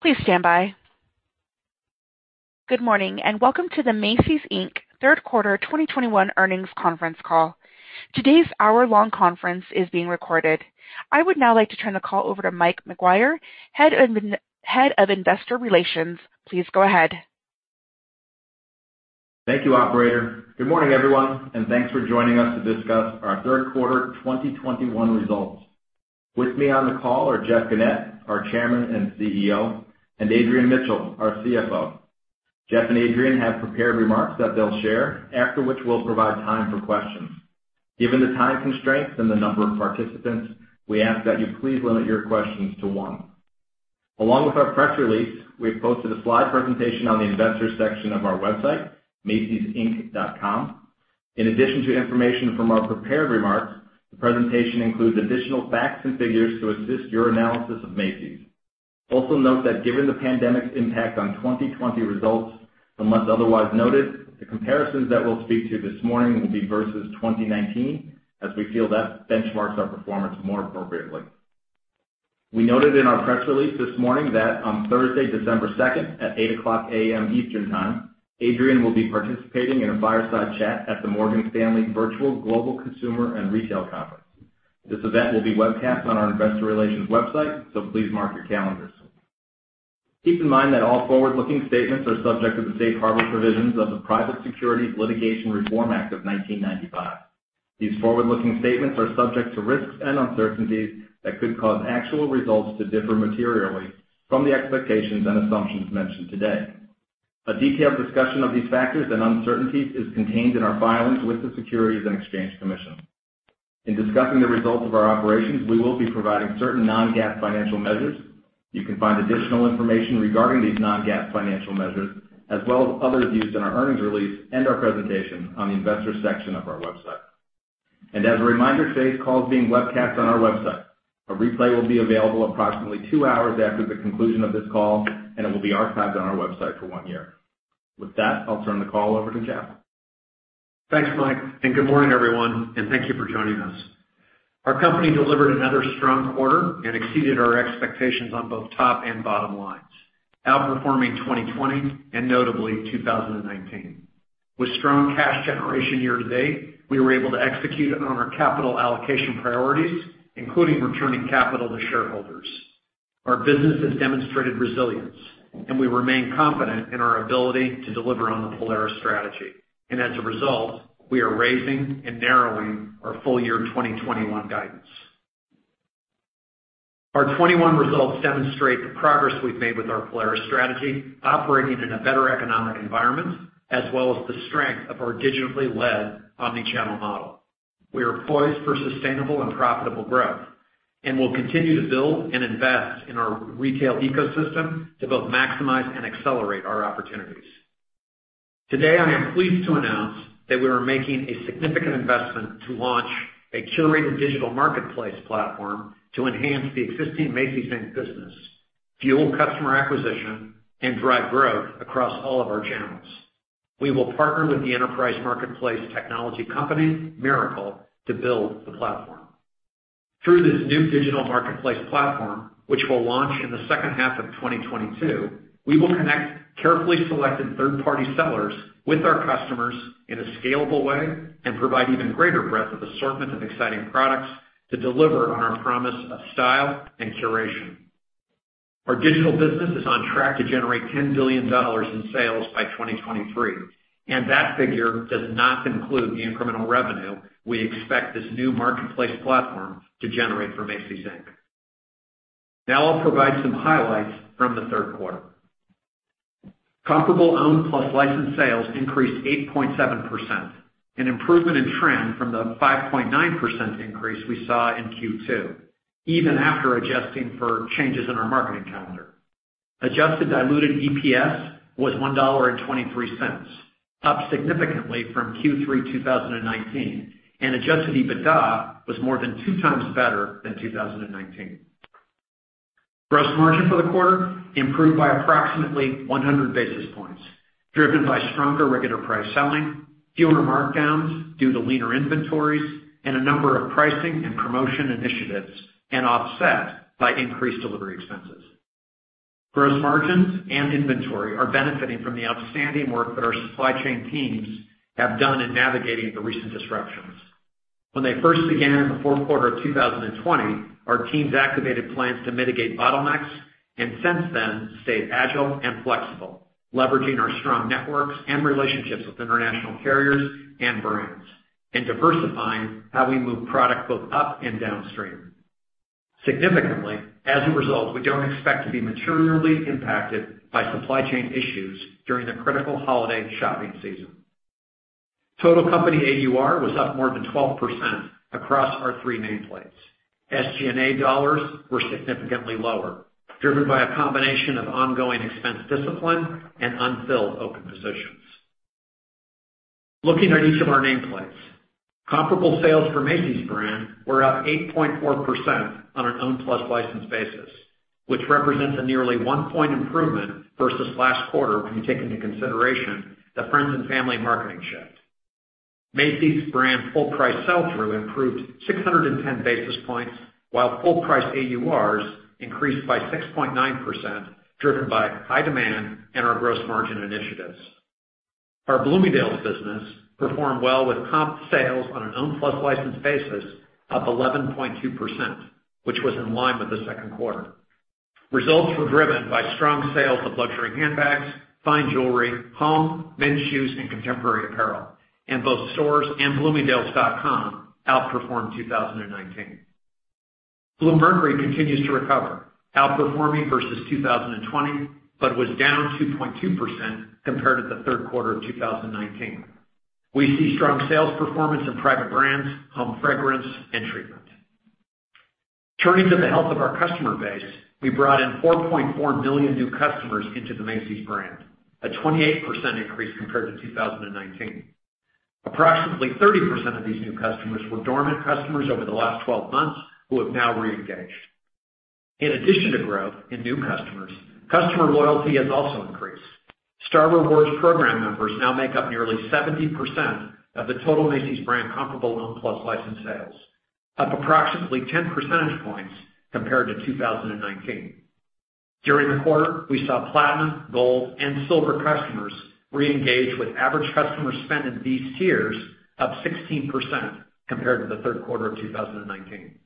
Good morning, and welcome to the Macy's, Inc. third quarter 2021 earnings conference call. Today's hour-long conference is being recorded. I would now like to turn the call over to Mike McGuire, Head of Investor Relations. Please go ahead. Thank you, operator. Good morning, everyone, and thanks for joining us to discuss our third quarter 2021 results. With me on the call are Jeff Gennette, our Chairman and CEO, and Adrian Mitchell, our CFO. Jeff and Adrian have prepared remarks that they'll share, after which we'll provide time for questions. Given the time constraints and the number of participants, we ask that you please limit your questions to one. Along with our press release, we have posted a slide presentation on the investor section of our website, macysinc.com. In addition to information from our prepared remarks, the presentation includes additional facts and figures to assist your analysis of Macy's. Also note that given the pandemic's impact on 2020 results, unless otherwise noted, the comparisons that we'll speak to this morning will be versus 2019, as we feel that benchmarks our performance more appropriately. We noted in our press release this morning that on Thursday, December 2, at 8:00 A.M. Eastern Time, Adrian will be participating in a fireside chat at the Morgan Stanley Virtual Global Consumer and Retail Conference. This event will be webcast on our investor relations website, so please mark your calendars. Keep in mind that all forward-looking statements are subject to the Safe Harbor provisions of the Private Securities Litigation Reform Act of 1995. These forward-looking statements are subject to risks and uncertainties that could cause actual results to differ materially from the expectations and assumptions mentioned today. A detailed discussion of these factors and uncertainties is contained in our filings with the Securities and Exchange Commission. In discussing the results of our operations, we will be providing certain non-GAAP financial measures. You can find additional information regarding these non-GAAP financial measures, as well as others used in our earnings release and our presentation on the investor section of our website. As a reminder, today's call is being webcast on our website. A replay will be available approximately two hours after the conclusion of this call, and it will be archived on our website for one year. With that, I'll turn the call over to Jeff. Thanks, Mike, and good morning, everyone, and thank you for joining us. Our company delivered another strong quarter and exceeded our expectations on both top and bottom lines, outperforming 2020 and notably 2019. With strong cash generation year to date, we were able to execute on our capital allocation priorities, including returning capital to shareholders. Our business has demonstrated resilience, and we remain confident in our ability to deliver on the Polaris strategy. As a result, we are raising and narrowing our full year 2021 guidance. Our 2021 results demonstrate the progress we've made with our Polaris strategy, operating in a better economic environment, as well as the strength of our digitally-led omni-channel model. We are poised for sustainable and profitable growth, and we'll continue to build and invest in our retail ecosystem to both maximize and accelerate our opportunities. Today, I am pleased to announce that we are making a significant investment to launch a curated digital marketplace platform to enhance the existing Macy's, Inc. business, fuel customer acquisition, and drive growth across all of our channels. We will partner with the enterprise marketplace technology company, Mirakl, to build the platform. Through this new digital marketplace platform, which will launch in the second half of 2022, we will connect carefully selected third-party sellers with our customers in a scalable way and provide even greater breadth of assortment of exciting products to deliver on our promise of style and curation. Our digital business is on track to generate $10 billion in sales by 2023, and that figure does not include the incremental revenue we expect this new marketplace platform to generate for Macy's, Inc. Now I'll provide some highlights from the third quarter. Comparable owned plus licensed sales increased 8.7%, an improvement in trend from the 5.9% increase we saw in Q2, even after adjusting for changes in our marketing calendar. Adjusted diluted EPS was $1.23, up significantly from Q3 2019, and adjusted EBITDA was more than 2x better than 2019. Gross margin for the quarter improved by approximately 100 basis points, driven by stronger regular price selling, fewer markdowns due to leaner inventories, and a number of pricing and promotion initiatives, and offset by increased delivery expenses. Gross margins and inventory are benefiting from the outstanding work that our supply chain teams have done in navigating the recent disruptions. When they first began in the fourth quarter of 2020, our teams activated plans to mitigate bottlenecks, and since then, stayed agile and flexible, leveraging our strong networks and relationships with international carriers and brands and diversifying how we move product both up and downstream. Significantly, as a result, we don't expect to be materially impacted by supply chain issues during the critical holiday shopping season. Total company AUR was up more than 12% across our three nameplates. SG&A dollars were significantly lower, driven by a combination of ongoing expense discipline and unfilled open positions. Looking at each of our nameplates. Comparable sales for Macy's brand were up 8.4% on an owned plus licensed basis, which represents a nearly 1-point improvement versus last quarter when you take into consideration the Friends & Family marketing shift. Macy's brand full price sell-through improved 610 basis points, while full price AURs increased by 6.9%, driven by high demand and our gross margin initiatives. Our Bloomingdale's business performed well, with comp sales on an owned plus licensed basis up 11.2%, which was in line with the second quarter. Results were driven by strong sales of luxury handbags, fine jewelry, home, men's shoes, and contemporary apparel. Both stores and bloomingdales.com outperformed 2019. Bluemercury continues to recover, outperforming versus 2020, but was down 2.2% compared to the third quarter of 2019. We see strong sales performance in private brands, home fragrance, and treatment. Turning to the health of our customer base, we brought in 4.4 million new customers into the Macy's brand, a 28% increase compared to 2019. Approximately 30% of these new customers were dormant customers over the last 12 months who have now re-engaged. In addition to growth in new customers, customer loyalty has also increased. Star Rewards program members now make up nearly 70% of the total Macy's brand comparable owned plus licensed sales, up approximately 10 percentage points compared to 2019. During the quarter, we saw platinum, gold, and silver customers re-engage with average customer spend in these tiers up 16% compared to the third quarter of 2019.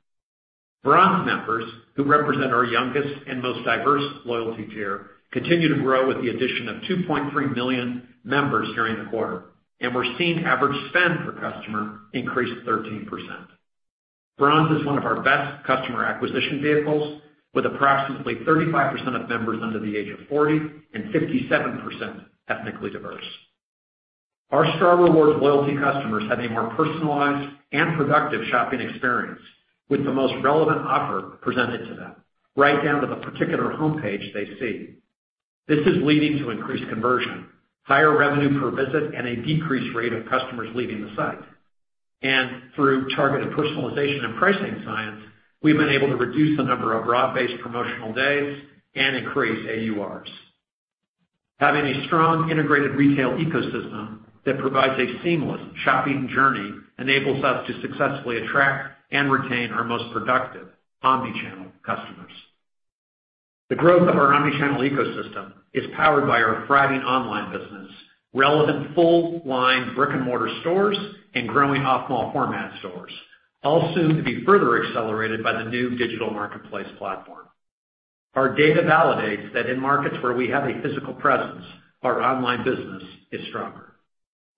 Bronze members, who represent our youngest and most diverse loyalty tier, continue to grow with the addition of 2.3 million members during the quarter, and we're seeing average spend per customer increase 13%. Bronze is one of our best customer acquisition vehicles, with approximately 35% of members under the age of 40 and 57% ethnically diverse. Our Star Rewards loyalty customers have a more personalized and productive shopping experience with the most relevant offer presented to them right down to the particular homepage they see. This is leading to increased conversion, higher revenue per visit, and a decreased rate of customers leaving the site. Through targeted personalization and pricing science, we've been able to reduce the number of broad-based promotional days and increase AURs. Having a strong integrated retail ecosystem that provides a seamless shopping journey enables us to successfully attract and retain our most productive omnichannel customers. The growth of our omnichannel ecosystem is powered by our thriving online business, relevant full-line brick-and-mortar stores, and growing off-mall format stores, all soon to be further accelerated by the new digital marketplace platform. Our data validates that in markets where we have a physical presence, our online business is stronger.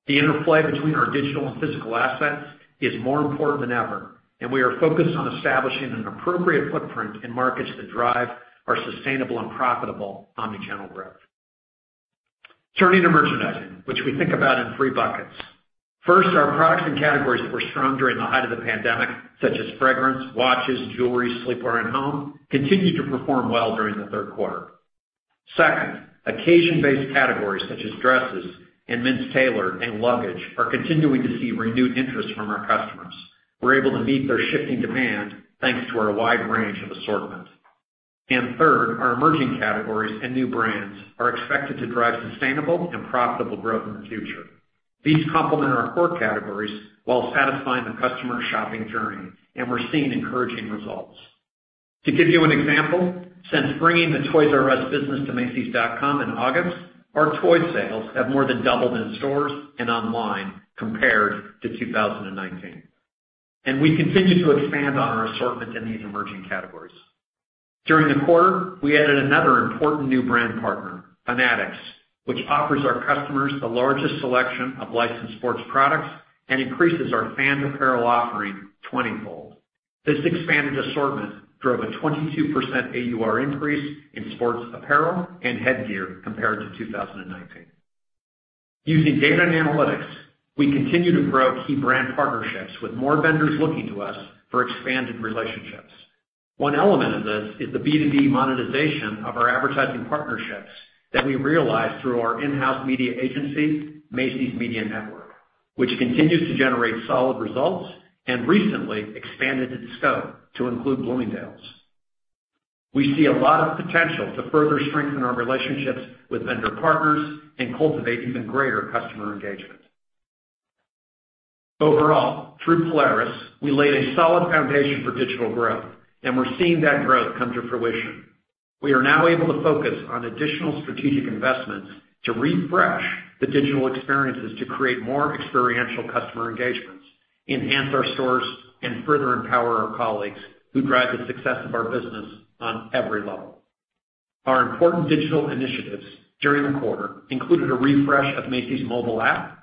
The interplay between our digital and physical assets is more important than ever, and we are focused on establishing an appropriate footprint in markets that drive our sustainable and profitable omnichannel growth. Turning to merchandising, which we think about in three buckets. First, our products and categories that were strong during the height of the pandemic, such as fragrance, watches, jewelry, sleepwear, and home, continued to perform well during the third quarter. Second, occasion-based categories such as dresses and men's tailored and luggage are continuing to see renewed interest from our customers. We're able to meet their shifting demand thanks to our wide range of assortment. Third, our emerging categories and new brands are expected to drive sustainable and profitable growth in the future. These complement our core categories while satisfying the customer shopping journey, and we're seeing encouraging results. To give you an example, since bringing the Toys"R"Us business to macys.com in August, our toy sales have more than doubled in stores and online compared to 2019. We continue to expand on our assortment in these emerging categories. During the quarter, we added another important new brand partner, Fanatics, which offers our customers the largest selection of licensed sports products and increases our fan apparel offering 20-fold. This expanded assortment drove a 22% AUR increase in sports apparel and headgear compared to 2019. Using data and analytics, we continue to grow key brand partnerships with more vendors looking to us for expanded relationships. One element of this is the B2B monetization of our advertising partnerships that we realize through our in-house media agency, Macy's Media Network, which continues to generate solid results and recently expanded its scope to include Bloomingdale's. We see a lot of potential to further strengthen our relationships with vendor partners and cultivate even greater customer engagement. Overall, through Polaris, we laid a solid foundation for digital growth, and we're seeing that growth come to fruition. We are now able to focus on additional strategic investments to refresh the digital experiences to create more experiential customer engagements, enhance our stores, and further empower our colleagues who drive the success of our business on every level. Our important digital initiatives during the quarter included a refresh of Macy's mobile app,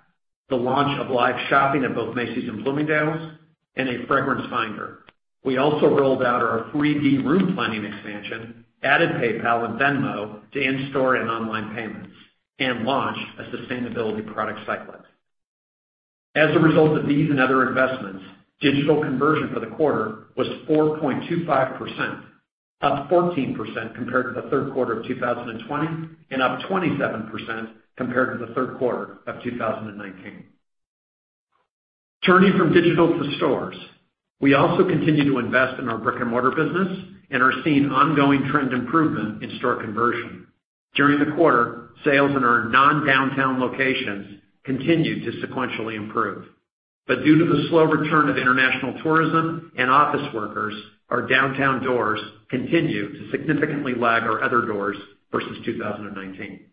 the launch of live shopping at both Macy's and Bloomingdale's, and a fragrance finder. We also rolled out our 3D room planning expansion, added PayPal and Venmo to in-store and online payments, and launched a sustainability product cycle. As a result of these and other investments, digital conversion for the quarter was 4.25%, up 14% compared to the third quarter of 2020, and up 27% compared to the third quarter of 2019. Turning from digital to stores, we also continue to invest in our brick-and-mortar business and are seeing ongoing trend improvement in store conversion. During the quarter, sales in our non-downtown locations continued to sequentially improve. Due to the slow return of international tourism and office workers, our downtown doors continue to significantly lag our other doors versus 2019.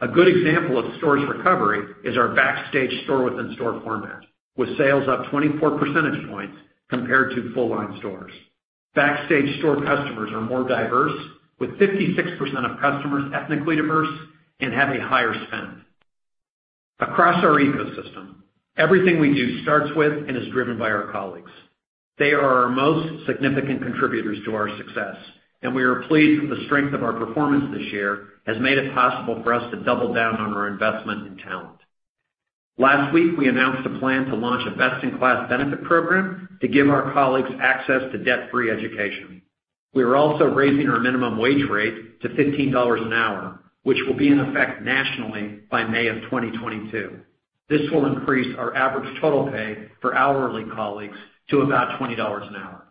A good example of stores recovery is our Backstage store within store format, with sales up 24 percentage points compared to full line stores. Backstage store customers are more diverse, with 56% of customers ethnically diverse and have a higher spend. Across our ecosystem, everything we do starts with and is driven by our colleagues. They are our most significant contributors to our success, and we are pleased with the strength of our performance this year has made it possible for us to double down on our investment in talent. Last week, we announced a plan to launch a best-in-class benefit program to give our colleagues access to debt-free education. We are also raising our minimum wage rate to $15 an hour, which will be in effect nationally by May 2022. This will increase our average total pay for hourly colleagues to about $20 an hour.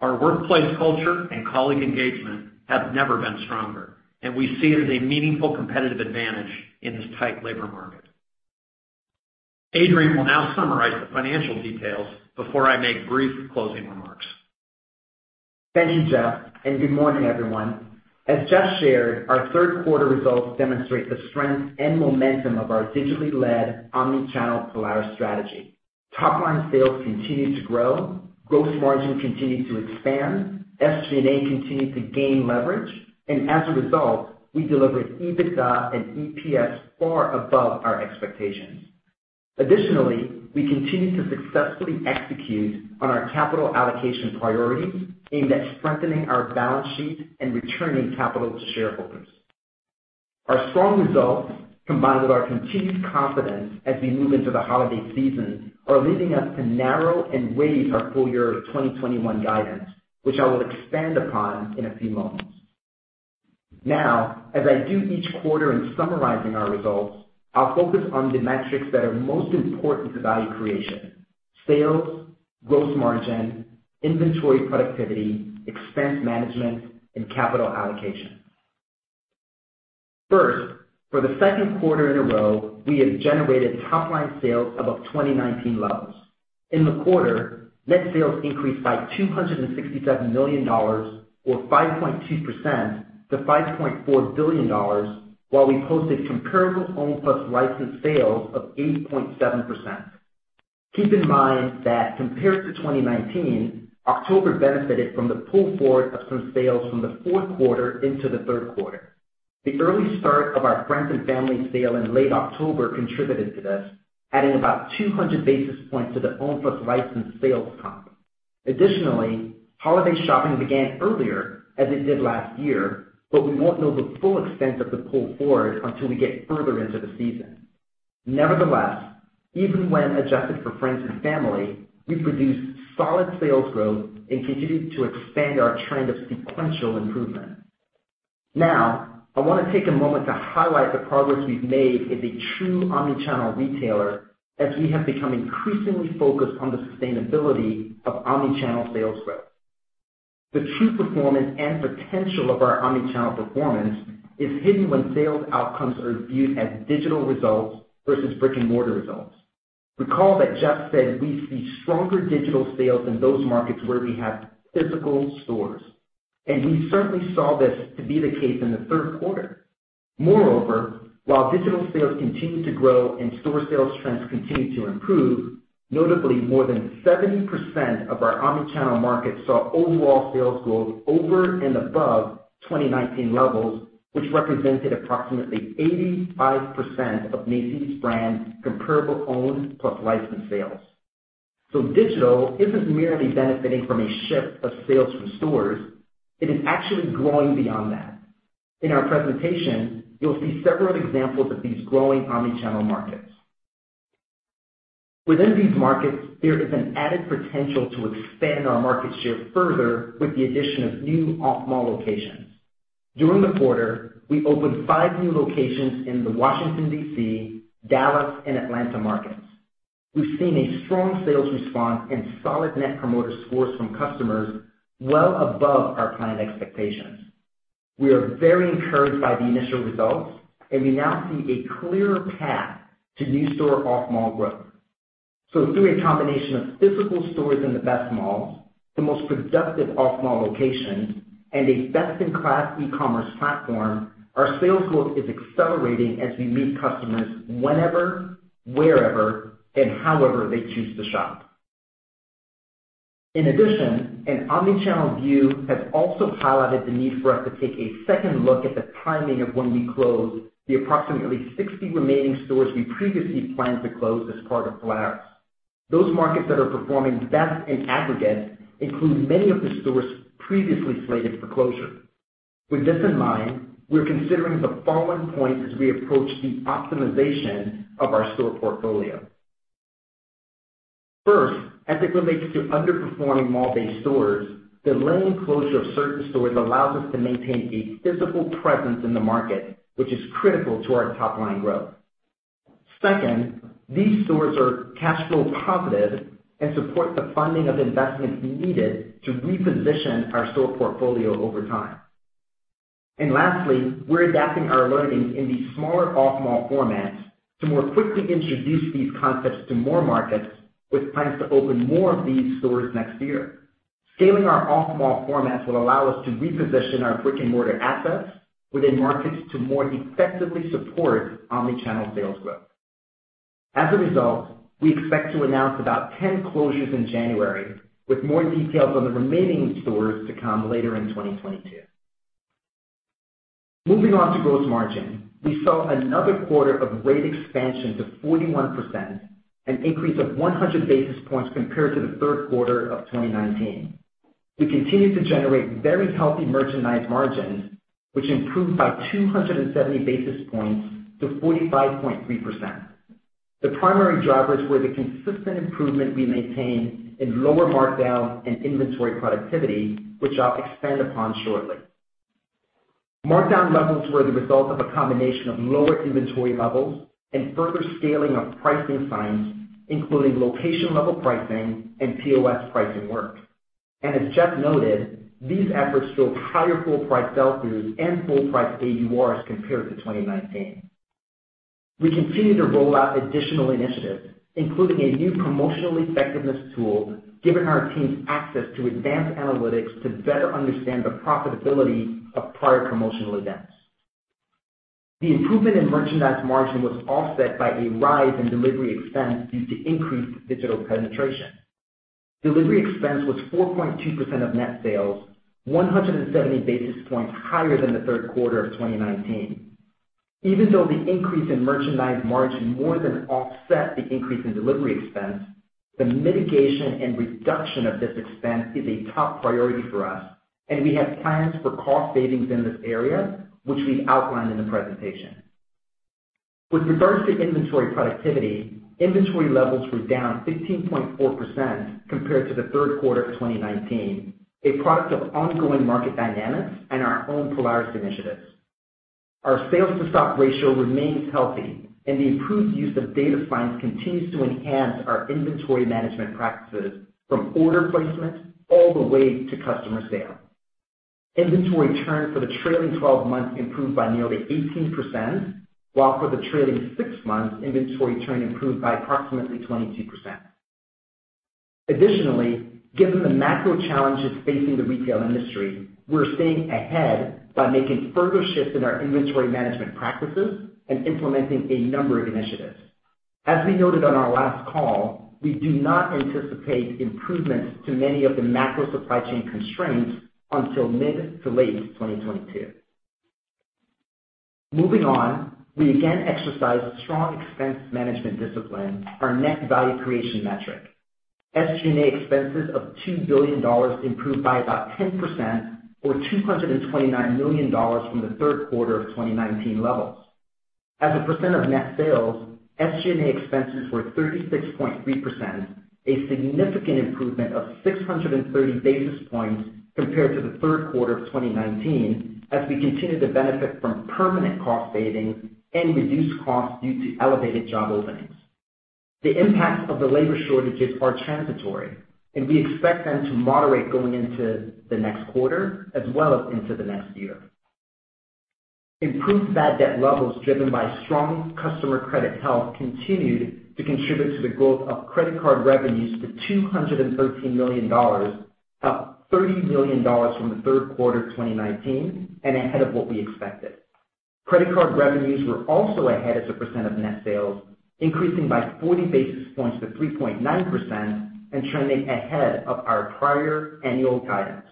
Our workplace culture and colleague engagement have never been stronger, and we see it as a meaningful competitive advantage in this tight labor market. Adrian will now summarize the financial details before I make brief closing remarks. Thank you, Jeff, and good morning, everyone. As Jeff shared, our third quarter results demonstrate the strength and momentum of our digitally led omni-channel Polaris strategy. Top line sales continue to grow, gross margin continue to expand, SG&A continue to gain leverage, and as a result, we delivered EBITDA and EPS far above our expectations. Additionally, we continue to successfully execute on our capital allocation priorities aimed at strengthening our balance sheet and returning capital to shareholders. Our strong results, combined with our continued confidence as we move into the holiday season, are leading us to narrow and raise our full year 2021 guidance, which I will expand upon in a few moments. Now, as I do each quarter in summarizing our results, I'll focus on the metrics that are most important to value creation. Sales, gross margin, inventory productivity, expense management, and capital allocation. First, for the second quarter in a row, we have generated top-line sales above 2019 levels. In the quarter, net sales increased by $267 million, or 5.2%, to $5.4 billion, while we posted comparable owned plus licensed sales of 8.7%. Keep in mind that compared to 2019, October benefited from the pull forward of some sales from the fourth quarter into the third quarter. The early start of our Friends & Family sale in late October contributed to this, adding about 200 basis points to the owned plus licensed sales comp. Additionally, holiday shopping began earlier, as it did last year, but we won't know the full extent of the pull forward until we get further into the season. Nevertheless, even when adjusted for Friends & Family, we produced solid sales growth and continued to expand our trend of sequential improvement. Now, I wanna take a moment to highlight the progress we've made as a true omni-channel retailer as we have become increasingly focused on the sustainability of omni-channel sales growth. The true performance and potential of our omni-channel performance is hidden when sales outcomes are viewed as digital results versus brick-and-mortar results. Recall that Jeff said we see stronger digital sales in those markets where we have physical stores, and we certainly saw this to be the case in the third quarter. Moreover, while digital sales continued to grow and store sales trends continued to improve, notably more than 70% of our omni-channel markets saw overall sales growth over and above 2019 levels, which represented approximately 85% of Macy's brand comparable owned plus licensed sales. Digital isn't merely benefiting from a shift of sales from stores, it is actually growing beyond that. In our presentation, you'll see several examples of these growing omni-channel markets. Within these markets, there is an added potential to expand our market share further with the addition of new off-mall locations. During the quarter, we opened five new locations in the Washington, D.C., Dallas, and Atlanta markets. We've seen a strong sales response and solid net promoter scores from customers well above our planned expectations. We are very encouraged by the initial results, and we now see a clear path to new store off-mall growth. Through a combination of physical stores in the best malls, the most productive off-mall locations, and a best-in-class e-commerce platform, our sales growth is accelerating as we meet customers whenever, wherever, and however they choose to shop. In addition, an omni-channel view has also highlighted the need for us to take a second look at the timing of when we close the approximately 60 remaining stores we previously planned to close as part of Polaris. Those markets that are performing best in aggregate include many of the stores previously slated for closure. With this in mind, we're considering the following points as we approach the optimization of our store portfolio. First, as it relates to underperforming mall-based stores, delaying closure of certain stores allows us to maintain a physical presence in the market, which is critical to our top-line growth. Second, these stores are cash flow positive and support the funding of investments needed to reposition our store portfolio over time. Lastly, we're adapting our learnings in these smaller off-mall formats to more quickly introduce these concepts to more markets, with plans to open more of these stores next year. Scaling our off-mall formats will allow us to reposition our brick-and-mortar assets within markets to more effectively support omni-channel sales growth. As a result, we expect to announce about 10 closures in January, with more details on the remaining stores to come later in 2022. Moving on to gross margin. We saw another quarter of great expansion to 41%, an increase of 100 basis points compared to the third quarter of 2019. We continue to generate very healthy merchandise margins, which improved by 270 basis points to 45.3%. The primary drivers were the consistent improvement we maintain in lower markdown and inventory productivity, which I'll expand upon shortly. Markdown levels were the result of a combination of lower inventory levels and further scaling of pricing science, including location-level pricing and POS pricing work. As Jeff noted, these efforts showed higher full price sell-throughs and full price AURs compared to 2019. We continue to roll out additional initiatives, including a new promotional effectiveness tool, giving our teams access to advanced analytics to better understand the profitability of prior promotional events. The improvement in merchandise margin was offset by a rise in delivery expense due to increased digital penetration. Delivery expense was 4.2% of net sales, 170 basis points higher than the third quarter of 2019. Even though the increase in merchandise margin more than offset the increase in delivery expense, the mitigation and reduction of this expense is a top priority for us, and we have plans for cost savings in this area, which we've outlined in the presentation. With regards to inventory productivity, inventory levels were down 15.4% compared to the third quarter of 2019, a product of ongoing market dynamics and our own Polaris initiatives. Our sales to stock ratio remains healthy, and the improved use of data science continues to enhance our inventory management practices from order placement all the way to customer sale. Inventory churn for the trailing twelve months improved by nearly 18%, while for the trailing six months, inventory churn improved by approximately 22%. Additionally, given the macro challenges facing the retail industry, we're staying ahead by making further shifts in our inventory management practices and implementing a number of initiatives. As we noted on our last call, we do not anticipate improvements to many of the macro supply chain constraints until mid to late 2022. Moving on. We again exercised strong expense management discipline, our net value creation metric. SG&A expenses of $2 billion improved by about 10% or $229 million from the third quarter of 2019 levels. As a percent of net sales, SG&A expenses were 36.3%, a significant improvement of 630 basis points compared to the third quarter of 2019, as we continue to benefit from permanent cost savings and reduced costs due to elevated job openings. The impacts of the labor shortages are transitory, and we expect them to moderate going into the next quarter as well as into the next year. Improved bad debt levels driven by strong customer credit health continued to contribute to the growth of credit card revenues to $213 million, up $30 million from the third quarter 2019 and ahead of what we expected. Credit card revenues were also ahead as a percent of net sales, increasing by 40 basis points to 3.9% and trending ahead of our prior annual guidance.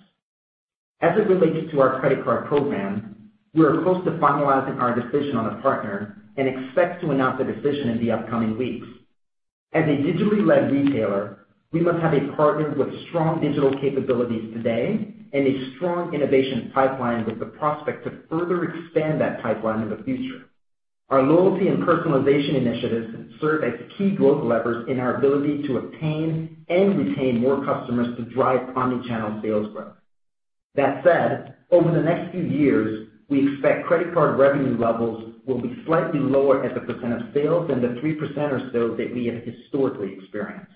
As it relates to our credit card program, we are close to finalizing our decision on a partner and expect to announce a decision in the upcoming weeks. As a digitally led retailer, we must have a partner with strong digital capabilities today and a strong innovation pipeline with the prospect to further expand that pipeline in the future. Our loyalty and personalization initiatives serve as key growth levers in our ability to obtain and retain more customers to drive omni-channel sales growth. That said, over the next few years, we expect credit card revenue levels will be slightly lower as a percent of sales than the 3% or so that we have historically experienced.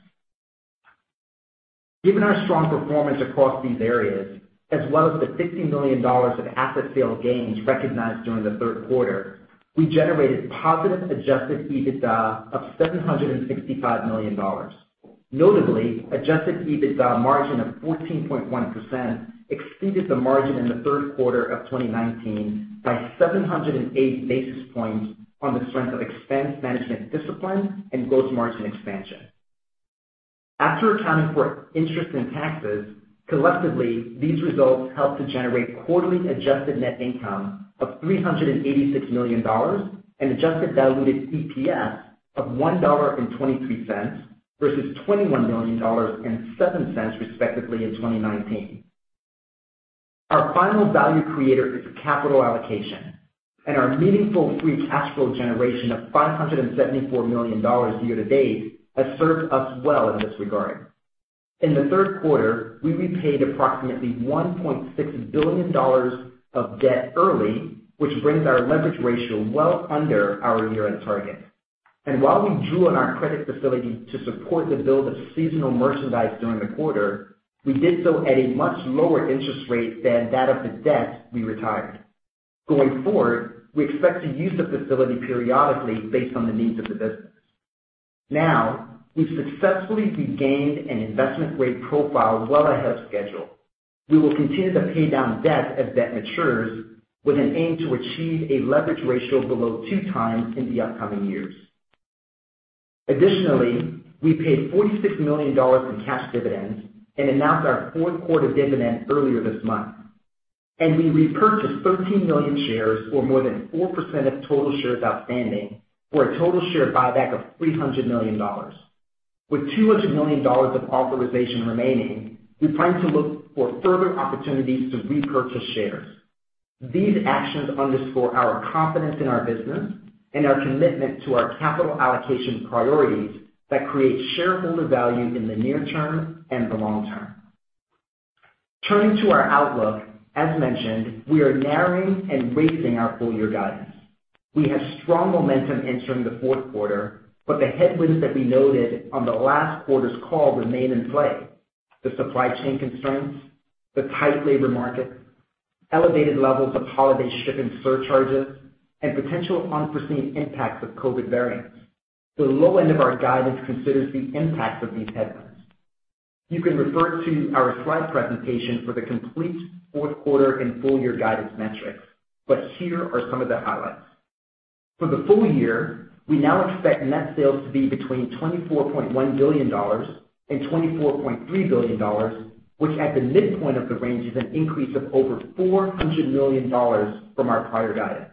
Given our strong performance across these areas, as well as the $50 million of asset sale gains recognized during the third quarter, we generated positive adjusted EBITDA of $765 million. Notably, adjusted EBITDA margin of 14.1% exceeded the margin in the third quarter of 2019 by 708 basis points on the strength of expense management discipline and gross margin expansion. After accounting for interest and taxes, collectively, these results helped to generate quarterly adjusted net income of $386 million and adjusted diluted EPS of $1.23 versus $21 million and $0.07, respectively, in 2019. Our final value creator is capital allocation, and our meaningful free cash flow generation of $574 million year-to-date has served us well in this regard. In the third quarter, we repaid approximately $1.6 billion of debt early, which brings our leverage ratio well under our year-end target. While we drew on our credit facility to support the build of seasonal merchandise during the quarter, we did so at a much lower interest rate than that of the debt we retired. Going forward, we expect to use the facility periodically based on the needs of the business. Now, we've successfully regained an investment-grade profile well ahead of schedule. We will continue to pay down debt as debt matures with an aim to achieve a leverage ratio below 2x in the upcoming years. Additionally, we paid $46 million in cash dividends and announced our fourth quarter dividend earlier this month. We repurchased 13 million shares, or more than 4% of total shares outstanding for a total share buyback of $300 million. With $200 million of authorization remaining, we plan to look for further opportunities to repurchase shares. These actions underscore our confidence in our business and our commitment to our capital allocation priorities that create shareholder value in the near term and the long term. Turning to our outlook, as mentioned, we are narrowing and raising our full year guidance. We have strong momentum entering the fourth quarter, but the headwinds that we noted on the last quarter's call remain in play, the supply chain constraints, the tight labor market, elevated levels of holiday shipping surcharges, and potential unforeseen impacts of COVID variants. The low end of our guidance considers the impact of these headwinds. You can refer to our slide presentation for the complete fourth quarter and full year guidance metrics, but here are some of the highlights. For the full year, we now expect net sales to be between $24.1 billion-$24.3 billion, which at the midpoint of the range, is an increase of over $400 million from our prior guidance.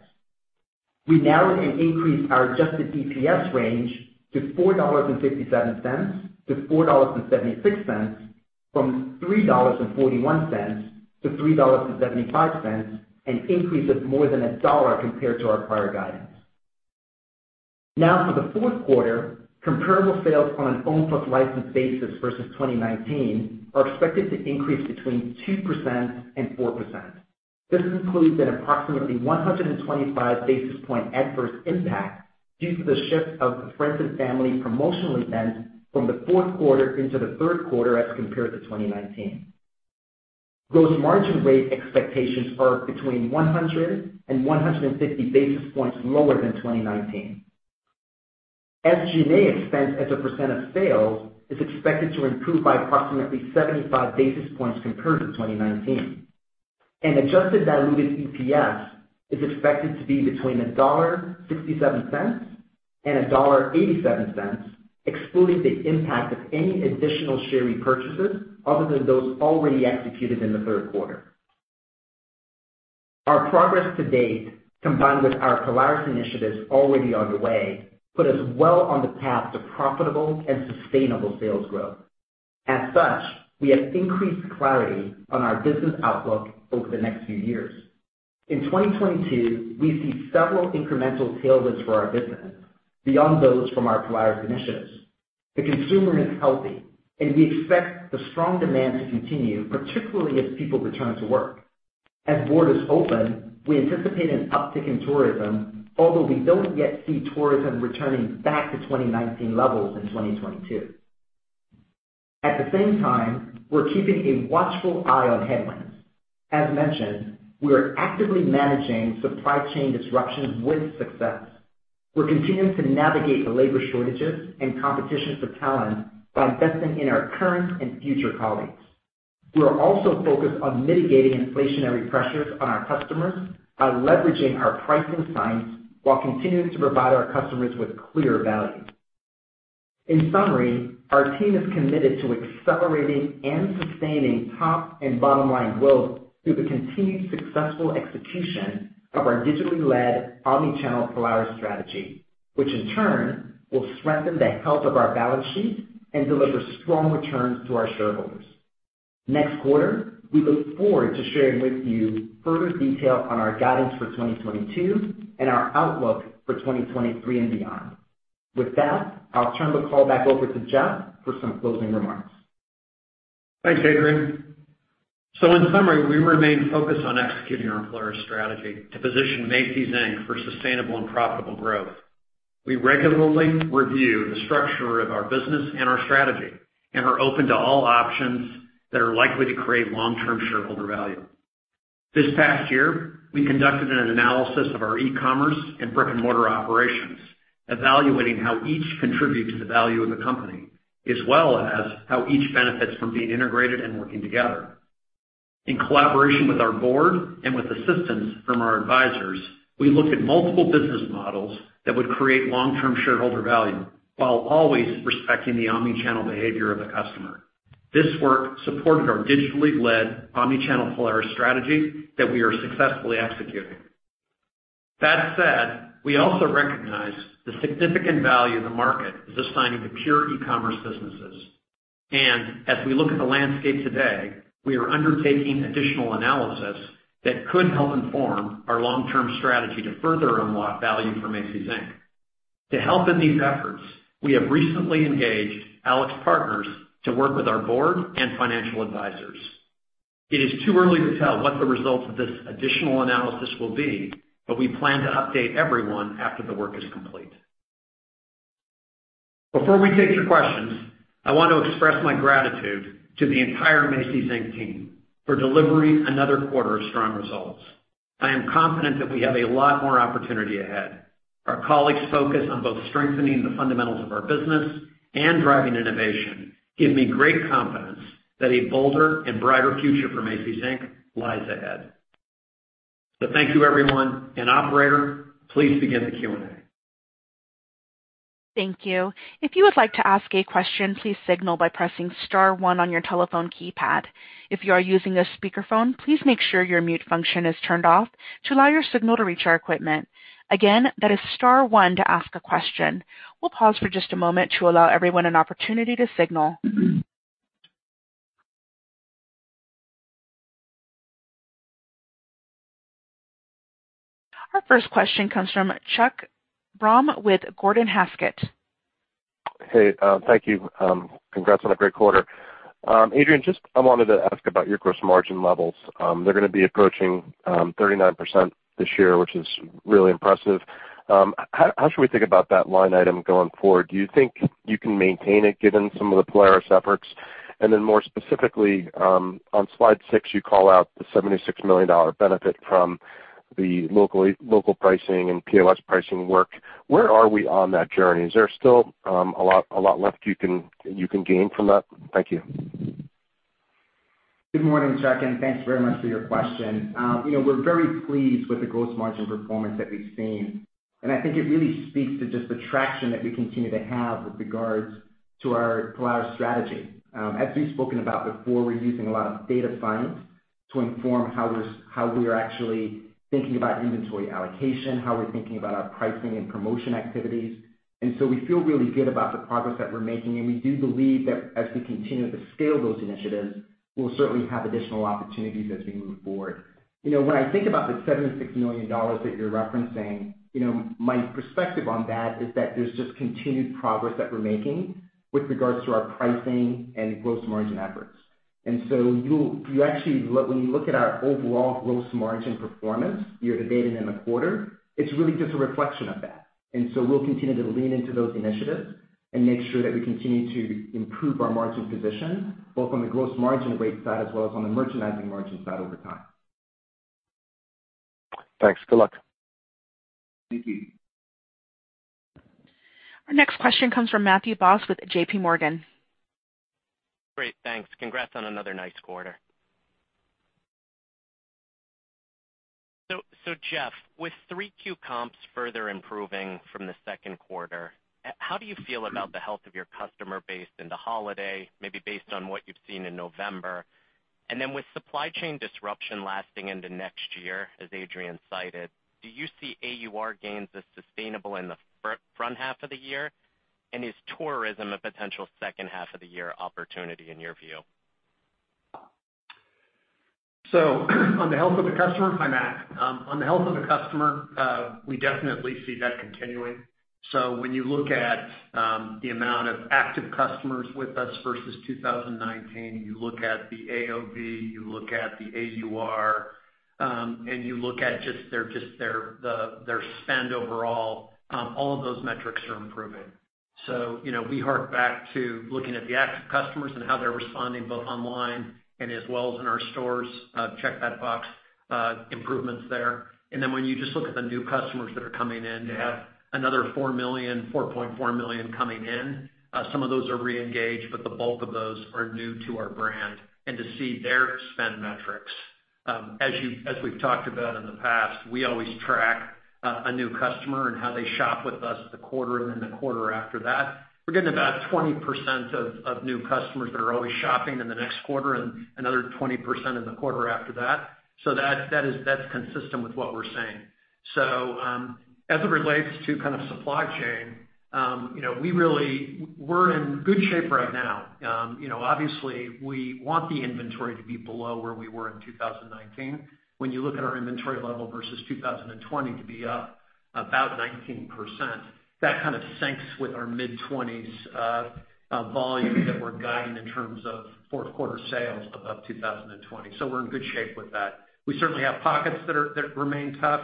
We now increase our adjusted EPS range to $4.57-$4.76 from $3.41-$3.75, an increase of more than $1 compared to our prior guidance. For the fourth quarter, comparable sales on an owned plus licensed basis versus 2019 are expected to increase between 2%-4%. This includes an approximately 125 basis point adverse impact due to the shift of the Friends & Family promotional event from the fourth quarter into the third quarter as compared to 2019. Gross margin rate expectations are between 100 and 150 basis points lower than 2019. SG&A expense as a percent of sales is expected to improve by approximately 75 basis points compared to 2019. Adjusted diluted EPS is expected to be between $1.67-$1.87, excluding the impact of any additional share repurchases other than those already executed in the third quarter. Our progress to date, combined with our Polaris initiatives already on the way, put us well on the path to profitable and sustainable sales growth. As such, we have increased clarity on our business outlook over the next few years. In 2022, we see several incremental tailwinds for our business beyond those from our Polaris initiatives. The consumer is healthy, and we expect the strong demand to continue, particularly as people return to work. As borders open, we anticipate an uptick in tourism, although we don't yet see tourism returning back to 2019 levels in 2022. At the same time, we're keeping a watchful eye on headwinds. As mentioned, we are actively managing supply chain disruptions with success. We're continuing to navigate the labor shortages and competition for talent by investing in our current and future colleagues. We are also focused on mitigating inflationary pressures on our customers by leveraging our pricing science while continuing to provide our customers with clear value. In summary, our team is committed to accelerating and sustaining top and bottom line growth through the continued successful execution of our digitally led omni-channel Polaris strategy, which in turn will strengthen the health of our balance sheet and deliver strong returns to our shareholders. Next quarter, we look forward to sharing with you further detail on our guidance for 2022 and our outlook for 2023 and beyond. With that, I'll turn the call back over to Jeff for some closing remarks. Thanks, Adrian. In summary, we remain focused on executing our Polaris strategy to position Macy's, Inc. for sustainable and profitable growth. We regularly review the structure of our business and our strategy and are open to all options that are likely to create long-term shareholder value. This past year, we conducted an analysis of our e-commerce and brick-and-mortar operations, evaluating how each contributes to the value of the company, as well as how each benefits from being integrated and working together. In collaboration with our board and with assistance from our advisors, we looked at multiple business models that would create long-term shareholder value while always respecting the omni-channel behavior of the customer. This work supported our digitally led omni-channel Polaris strategy that we are successfully executing. That said, we also recognize the significant value the market is assigning to pure e-commerce businesses. As we look at the landscape today, we are undertaking additional analysis that could help inform our long-term strategy to further unlock value for Macy's, Inc. To help in these efforts, we have recently engaged AlixPartners to work with our board and financial advisors. It is too early to tell what the results of this additional analysis will be, but we plan to update everyone after the work is complete. Before we take your questions, I want to express my gratitude to the entire Macy's, Inc. team for delivering another quarter of strong results. I am confident that we have a lot more opportunity ahead. Our colleagues' focus on both strengthening the fundamentals of our business and driving innovation give me great confidence that a bolder and brighter future for Macy's, Inc. lies ahead. Thank you, everyone, and operator, please begin the Q&A. Thank you. If you would like to ask a question, please signal by pressing star one on your telephone keypad. If you are using a speakerphone, please make sure your mute function is turned off to allow your signal to reach our equipment. Again, that is star one to ask a question. We'll pause for just a moment to allow everyone an opportunity to signal. Our first question comes from Chuck Grom with Gordon Haskett. Hey, thank you. Congrats on a great quarter. Adrian, I wanted to ask about your gross margin levels. They're gonna be approaching 39% this year, which is really impressive. How should we think about that line item going forward? Do you think you can maintain it given some of the Polaris efforts? Then more specifically, on slide six, you call out the $76 million benefit from the local pricing and POS pricing work. Where are we on that journey? Is there still a lot left you can gain from that? Thank you. Good morning, Chuck, and thanks very much for your question. You know, we're very pleased with the gross margin performance that we've seen. I think it really speaks to just the traction that we continue to have with regards to our Polaris strategy. As we've spoken about before, we're using a lot of data science to inform how we are actually thinking about inventory allocation, how we're thinking about our pricing and promotion activities. We feel really good about the progress that we're making, and we do believe that as we continue to scale those initiatives, we'll certainly have additional opportunities as we move forward. You know, when I think about the $76 million that you're referencing, you know, my perspective on that is that there's just continued progress that we're making with regards to our pricing and gross margin efforts. When you look at our overall gross margin performance year-to-date and in the quarter, it's really just a reflection of that. We'll continue to lean into those initiatives and make sure that we continue to improve our margin position, both on the gross margin rate side as well as on the merchandising margin side over time. Thanks. Good luck. Thank you. Our next question comes from Matthew Boss with JPMorgan. Great, thanks. Congrats on another nice quarter. Jeff, with three Q comps further improving from the second quarter, how do you feel about the health of your customer base in the holidays, maybe based on what you've seen in November? With supply chain disruption lasting into next year, as Adrian cited, do you see AUR gains as sustainable in the first half of the year? Is tourism a potential second half of the year opportunity in your view? On the health of the customer—hi, Matt. On the health of the customer, we definitely see that continuing. When you look at the amount of active customers with us versus 2019, you look at the AOV, you look at the AUR, and you look at their spend overall, all of those metrics are improving. You know, we hark back to looking at the active customers and how they're responding both online and as well as in our stores, check that box, improvements there. When you just look at the new customers that are coming in, you have another 4 million, 4.4 million coming in. Some of those are re-engaged, but the bulk of those are new to our brand. To see their spend metrics, as we've talked about in the past, we always track a new customer and how they shop with us the quarter and then the quarter after that. We're getting about 20% of new customers that are always shopping in the next quarter and another 20% in the quarter after that. That's consistent with what we're seeing. As it relates to kind of supply chain, you know, we're in good shape right now. You know, obviously, we want the inventory to be below where we were in 2019. When you look at our inventory level versus 2020 to be up about 19%, that kind of syncs with our mid-20s volume that we're guiding in terms of fourth quarter sales of 2020. We're in good shape with that. We certainly have pockets that remain tough,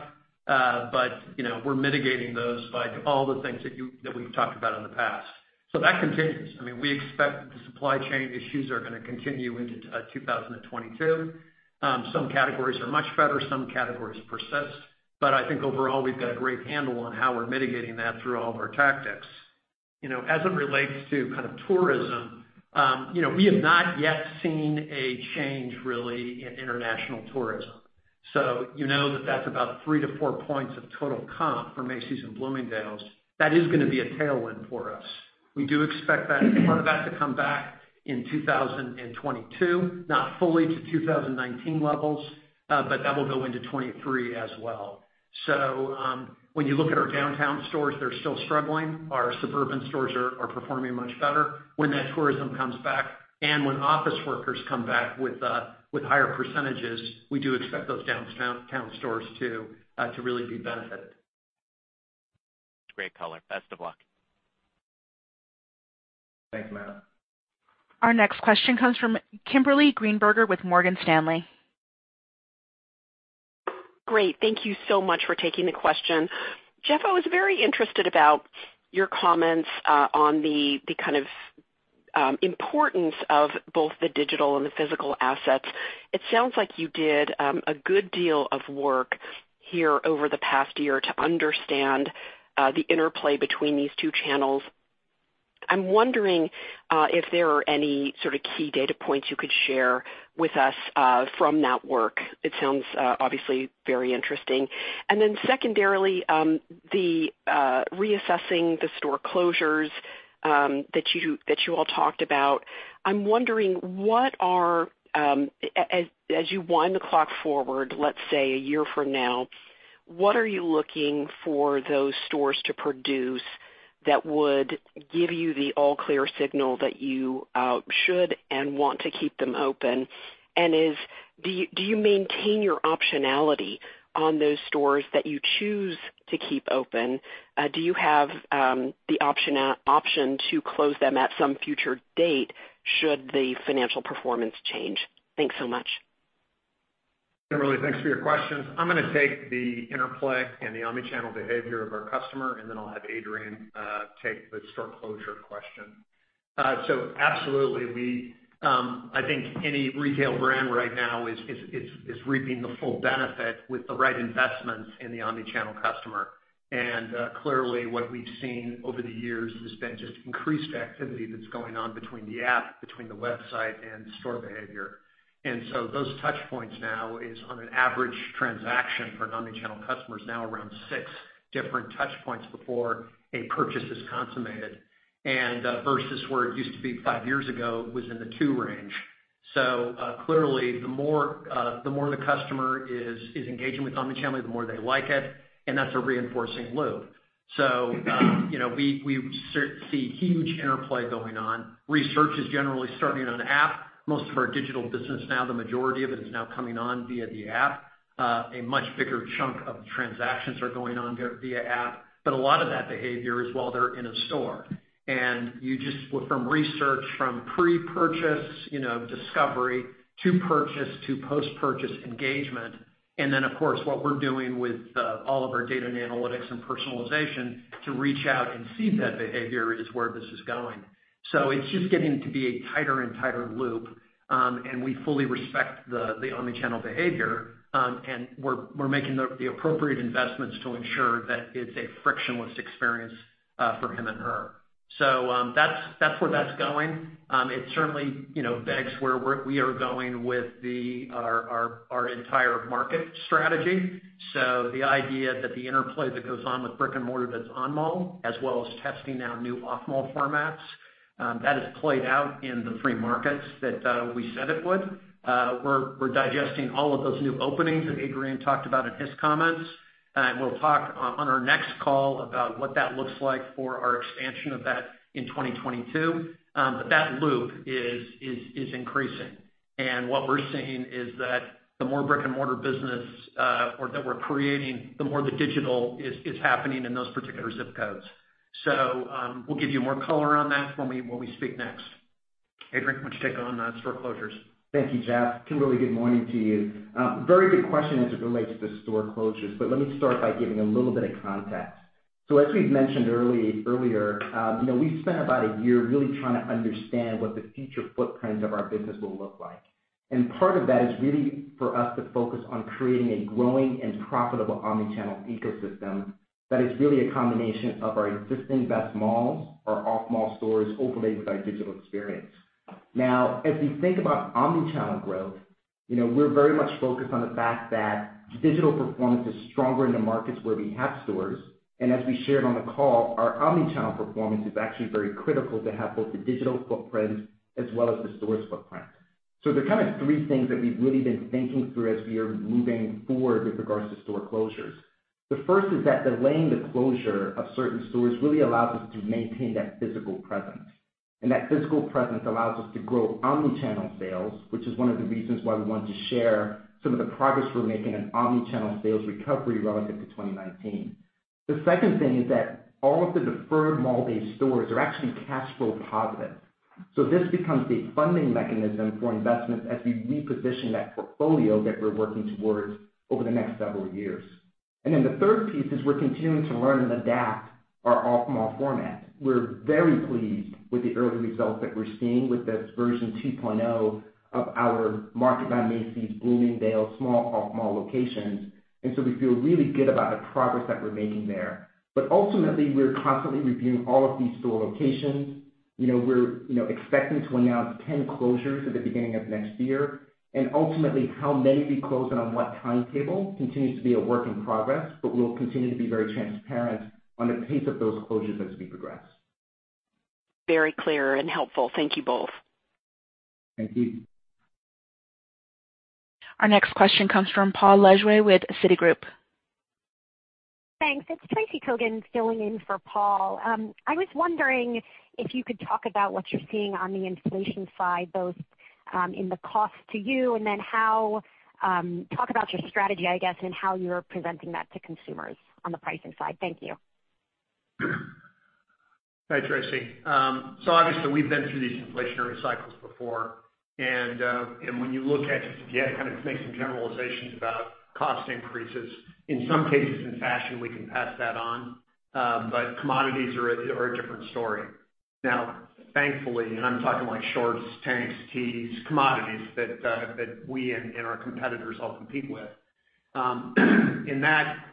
but you know, we're mitigating those by all the things that we've talked about in the past. That continues. I mean, we expect the supply chain issues are gonna continue into 2022. Some categories are much better, some categories persist. I think overall, we've got a great handle on how we're mitigating that through all of our tactics. You know, as it relates to kind of tourism, you know, we have not yet seen a change really in international tourism. You know that that's about 3-4 points of total comp for Macy's and Bloomingdale's. That is gonna be a tailwind for us. We do expect that part of that to come back in 2022, not fully to 2019 levels, but that will go into 2023 as well. When you look at our downtown stores, they're still struggling. Our suburban stores are performing much better. When that tourism comes back and when office workers come back with higher percentages, we do expect those downtown stores to really be benefited. Great color. Best of luck. Thanks, Matt. Our next question comes from Kimberly Greenberger with Morgan Stanley. Great. Thank you so much for taking the question. Jeff, I was very interested about your comments on the kind of importance of both the digital and the physical assets. It sounds like you did a good deal of work here over the past year to understand the interplay between these two channels. I'm wondering if there are any sort of key data points you could share with us from that work. It sounds obviously very interesting. Then secondarily, reassessing the store closures that you all talked about. I'm wondering, as you wind the clock forward, let's say a year from now, what are you looking for those stores to produce that would give you the all clear signal that you should and want to keep them open? Do you maintain your optionality on those stores that you choose to keep open? Do you have the option to close them at some future date should the financial performance change? Thanks so much. Kimberly, thanks for your questions. I'm gonna take the interplay and the omni-channel behavior of our customer, and then I'll have Adrian take the store closure question. Absolutely we, I think any retail brand right now is reaping the full benefit with the right investments in the omni-channel customer. Clearly what we've seen over the years has been just increased activity that's going on between the app, between the website and store behavior. Those touch points now is on an average transaction for an omni-channel customer is now around six different touch points before a purchase is consummated. Versus where it used to be five years ago, was in the two range. Clearly, the more the customer is engaging with omni-channel, the more they like it, and that's a reinforcing loop. You know, we certainly see huge interplay going on. Research is generally starting on the app. Most of our digital business now, the majority of it, is now coming in via the app. A much bigger chunk of the transactions are going on via the app, but a lot of that behavior is while they're in a store. You see just from research, from pre-purchase, you know, discovery to purchase to post-purchase engagement. Of course, what we're doing with all of our data and analytics and personalization to reach out and see that behavior is where this is going. It's just getting to be a tighter and tighter loop, and we fully respect the omnichannel behavior, and we're making the appropriate investments to ensure that it's a frictionless experience for him and her. That's where that's going. It certainly, you know, begs where we are going with our entire market strategy. The idea that the interplay that goes on with brick-and-mortar that's on-mall, as well as testing now new off-mall formats, that has played out in the free markets that we said it would. We're digesting all of those new openings that Adrian talked about in his comments. We'll talk on our next call about what that looks like for our expansion of that in 2022. That loop is increasing. What we're seeing is that the more brick-and-mortar business or that we're creating, the more the digital is happening in those particular zip codes. We'll give you more color on that when we speak next. Adrian, why don't you take on store closures? Thank you, Jeff. Kimberly, good morning to you. Very good question as it relates to store closures, but let me start by giving a little bit of context. As we've mentioned earlier, you know, we've spent about a year really trying to understand what the future footprint of our business will look like. Part of that is really for us to focus on creating a growing and profitable omni-channel ecosystem that is really a combination of our existing best malls, our off-mall stores overlaid with our digital experience. Now, as we think about omni-channel growth, you know, we're very much focused on the fact that digital performance is stronger in the markets where we have stores. As we shared on the call, our omni-channel performance is actually very critical to have both the digital footprint as well as the stores footprint. There are kind of three things that we've really been thinking through as we are moving forward with regards to store closures. The first is that delaying the closure of certain stores really allows us to maintain that physical presence. That physical presence allows us to grow omni-channel sales, which is one of the reasons why we wanted to share some of the progress we're making in omni-channel sales recovery relative to 2019. The second thing is that all of the deferred mall-based stores are actually cash flow positive. This becomes a funding mechanism for investments as we reposition that portfolio that we're working towards over the next several years. The third piece is we're continuing to learn and adapt our off-mall format. We're very pleased with the early results that we're seeing with this version 2.0 of our Market by Macy's Bloomingdale's small off-mall locations. We feel really good about the progress that we're making there. Ultimately, we're constantly reviewing all of these store locations. You know, we're, you know, expecting to announce 10 closures at the beginning of next year. Ultimately, how many we close and on what timetable continues to be a work in progress, but we'll continue to be very transparent on the pace of those closures as we progress. Very clear and helpful. Thank you both. Thank you. Our next question comes from Paul Lejuez with Citigroup. Thanks. It's Tracy Kogan filling in for Paul. I was wondering if you could talk about what you're seeing on the inflation side, both in the cost to you, and then how you talk about your strategy, I guess, and how you're presenting that to consumers on the pricing side. Thank you. Hi, Tracy. Obviously we've been through these inflationary cycles before, and when you look at it, you kind of make some generalizations about cost increases. In some cases, in fashion, we can pass that on, but commodities are a different story. Now, thankfully, I'm talking like shorts, tanks, tees, commodities that we and our competitors all compete with.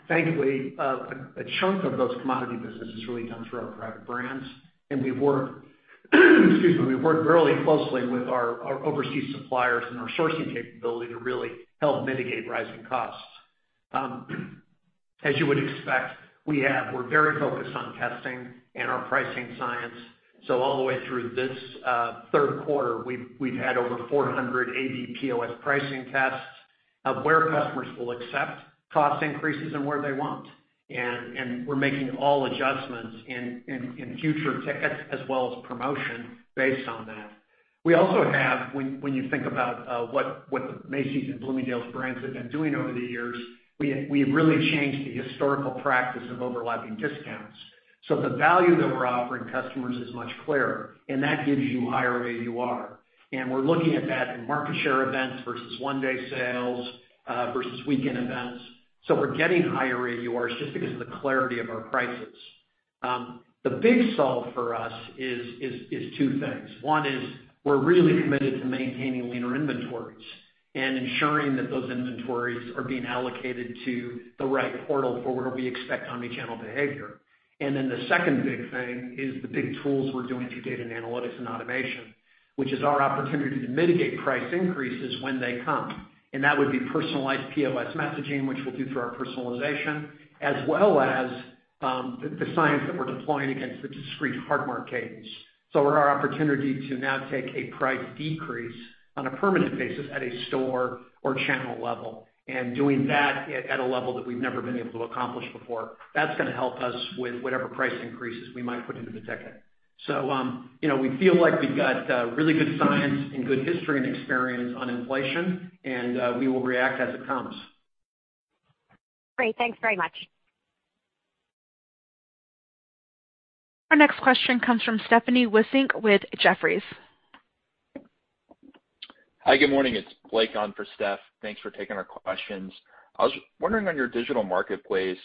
Thankfully, a chunk of those commodities business has really come through our private brands, and we've worked really closely with our overseas suppliers and our sourcing capability to really help mitigate rising costs. As you would expect, we're very focused on testing and our pricing science. All the way through this third quarter, we've had over 400 A/B POS pricing tests of where customers will accept cost increases and where they won't. We're making all adjustments in future tickets as well as promotion based on that. We also have, when you think about what the Macy's and Bloomingdale's brands have been doing over the years, we have really changed the historical practice of overlapping discounts. The value that we're offering customers is much clearer, and that gives you higher AUR. We're looking at that in market share events versus one-day sales versus weekend events. We're getting higher AURs just because of the clarity of our prices. The big solve for us is two things. One is we're really committed to maintaining leaner inventories and ensuring that those inventories are being allocated to the right portal for where we expect omni-channel behavior. The second big thing is the big tools we're doing through data and analytics and automation, which is our opportunity to mitigate price increases when they come. That would be personalized POS messaging, which we'll do through our personalization, as well as the science that we're deploying against the discrete hard mark cases. Our opportunity to now take a price decrease on a permanent basis at a store or channel level, and doing that at a level that we've never been able to accomplish before, that's gonna help us with whatever price increases we might put into the ticket. You know, we feel like we've got really good science and good history and experience on inflation, and we will react as it comes. Great. Thanks very much. Our next question comes from Stephanie Wissink with Jefferies. Hi. Good morning. It's Blake on for Steph. Thanks for taking our questions. I was wondering on your digital marketplace,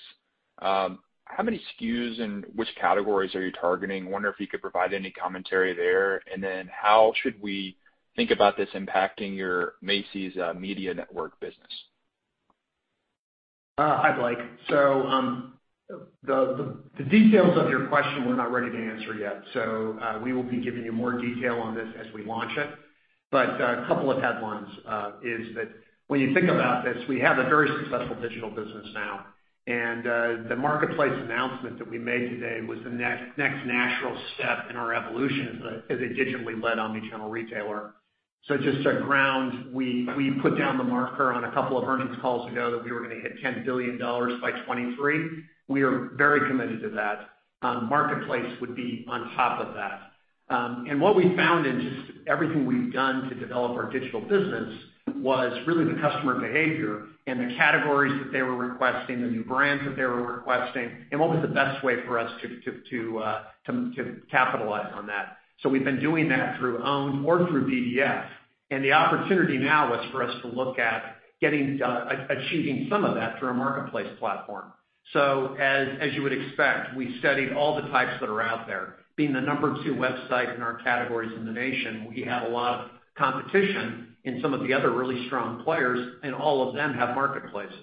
how many SKUs and which categories are you targeting? I wonder if you could provide any commentary there. How should we think about this impacting your Macy's Media Network business? Hi, Blake. The details of your question, we're not ready to answer yet. We will be giving you more detail on this as we launch it. A couple of headlines is that when you think about this, we have a very successful digital business now. The marketplace announcement that we made today was the next natural step in our evolution as a digitally led omni-channel retailer. Just to ground, we put down the marker on a couple of earnings calls ago that we were gonna hit $10 billion by 2023. We are very committed to that. Marketplace would be on top of that. What we found in just everything we've done to develop our digital business was really the customer behavior and the categories that they were requesting, the new brands that they were requesting, and what was the best way for us to capitalize on that. We've been doing that through owned or through BDP. The opportunity now was for us to look at achieving some of that through a marketplace platform. As you would expect, we studied all the types that are out there. Being the number two website in our categories in the nation, we have a lot of competition in some of the other really strong players, and all of them have marketplaces.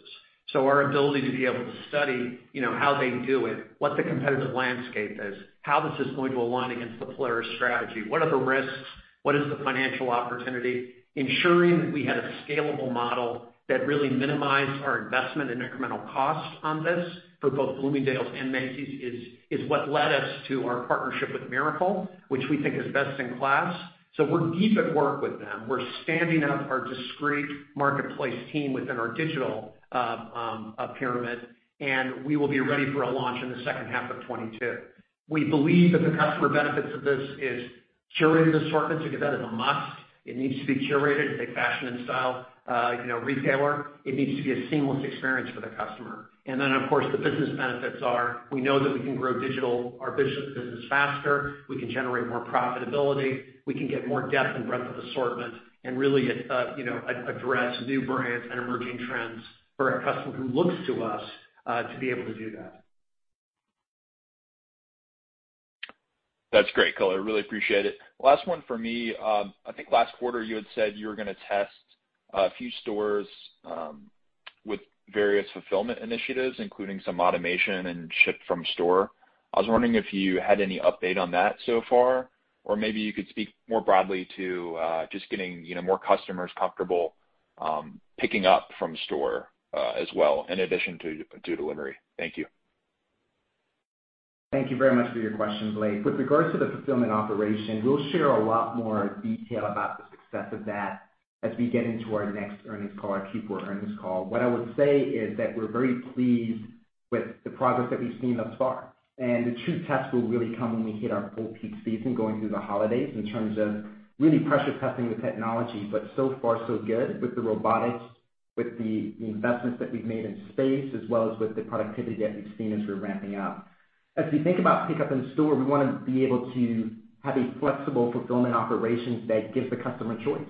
Our ability to be able to study, you know, how they do it, what the competitive landscape is, how this is going to align against the Polaris strategy, what are the risks, what is the financial opportunity, ensuring that we had a scalable model that really minimized our investment in incremental costs on this for both Bloomingdale's and Macy's is what led us to our partnership with Mirakl, which we think is best in class. We're deep at work with them. We're standing up our discrete marketplace team within our digital pyramid, and we will be ready for a launch in the second half of 2022. We believe that the customer benefits of this is curated assortments, because that is a must. It needs to be curated as a fashion and style, you know, retailer. It needs to be a seamless experience for the customer. Of course, the business benefits are we know that we can grow digital, our business faster, we can generate more profitability, we can get more depth and breadth of assortment, and really, you know, address new brands and emerging trends for a customer who looks to us to be able to do that. That's great color. Really appreciate it. Last one for me. I think last quarter you had said you were gonna test a few stores with various fulfillment initiatives, including some automation and ship from store. I was wondering if you had any update on that so far, or maybe you could speak more broadly to just getting, you know, more customers comfortable picking up from store as well in addition to delivery. Thank you. Thank you very much for your question, Blake. With regards to the fulfillment operation, we'll share a lot more detail about the success of that. As we get into our next earnings call, our Q4 earnings call, what I would say is that we're very pleased with the progress that we've seen thus far. The true test will really come when we hit our full peak season going through the holidays in terms of really pressure testing the technology. So far so good with the robotics, with the investments that we've made in space, as well as with the productivity that we've seen as we're ramping up. As we think about pickup in store, we wanna be able to have a flexible fulfillment operations that gives the customer choice.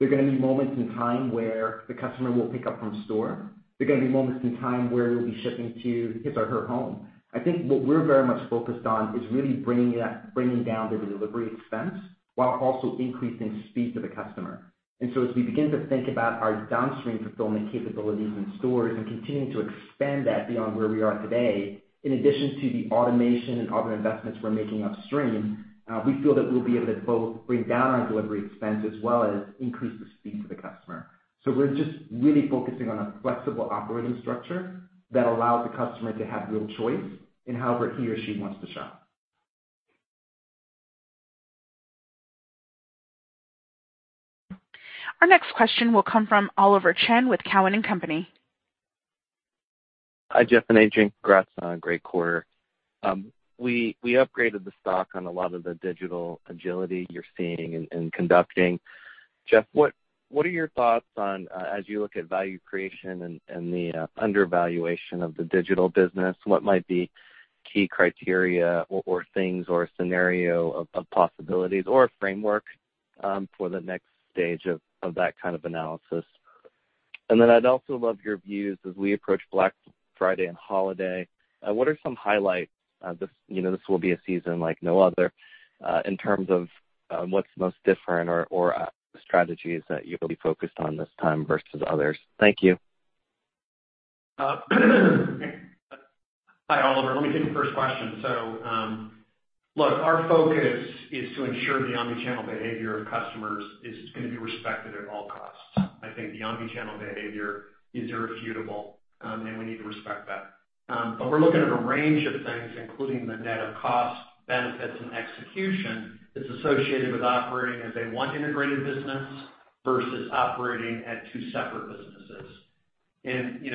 There are gonna be moments in time where the customer will pick up from store. There are gonna be moments in time where we'll be shipping to his or her home. I think what we're very much focused on is really bringing down the delivery expense while also increasing speed to the customer. As we begin to think about our downstream fulfillment capabilities in stores and continuing to expand that beyond where we are today, in addition to the automation and other investments we're making upstream, we feel that we'll be able to both bring down our delivery expense as well as increase the speed to the customer. We're just really focusing on a flexible operating structure that allows the customer to have real choice in however he or she wants to shop. Our next question will come from Oliver Chen with Cowen and Company. Hi, Jeff and AJ. Congrats on a great quarter. We upgraded the stock on a lot of the digital agility you're seeing and conducting. Jeff, what are your thoughts on as you look at value creation and the undervaluation of the digital business, what might be key criteria or things or scenario of possibilities or framework for the next stage of that kind of analysis? I'd also love your views as we approach Black Friday and holiday, what are some highlights, this you know this will be a season like no other in terms of what's most different or strategies that you will be focused on this time versus others? Thank you. Hi, Oliver. Let me take the first question. Look, our focus is to ensure the omni-channel behavior of customers is gonna be respected at all costs. I think the omni-channel behavior is irrefutable, and we need to respect that. We're looking at a range of things, including the net of cost, benefits, and execution that's associated with operating as a one integrated business versus operating at two separate businesses. You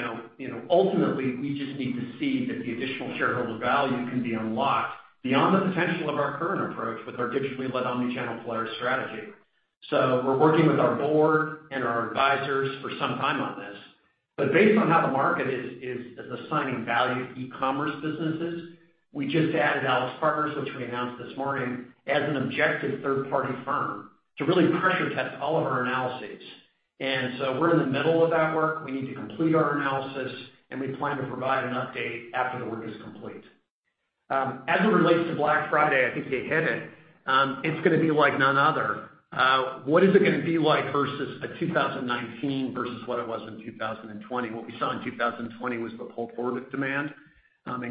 know, ultimately, we just need to see that the additional shareholder value can be unlocked beyond the potential of our current approach with our digitally led omni-channel Polaris strategy. We're working with our board and our advisors for some time on this. Based on how the market is assigning value to e-commerce businesses, we just added AlixPartners, which we announced this morning, as an objective third-party firm to really pressure test all of our analyses. We're in the middle of that work. We need to complete our analysis, and we plan to provide an update after the work is complete. As it relates to Black Friday, I think you hit it. It's gonna be like none other. What is it gonna be like versus 2019 versus what it was in 2020? What we saw in 2020 was the pull-forward of demand.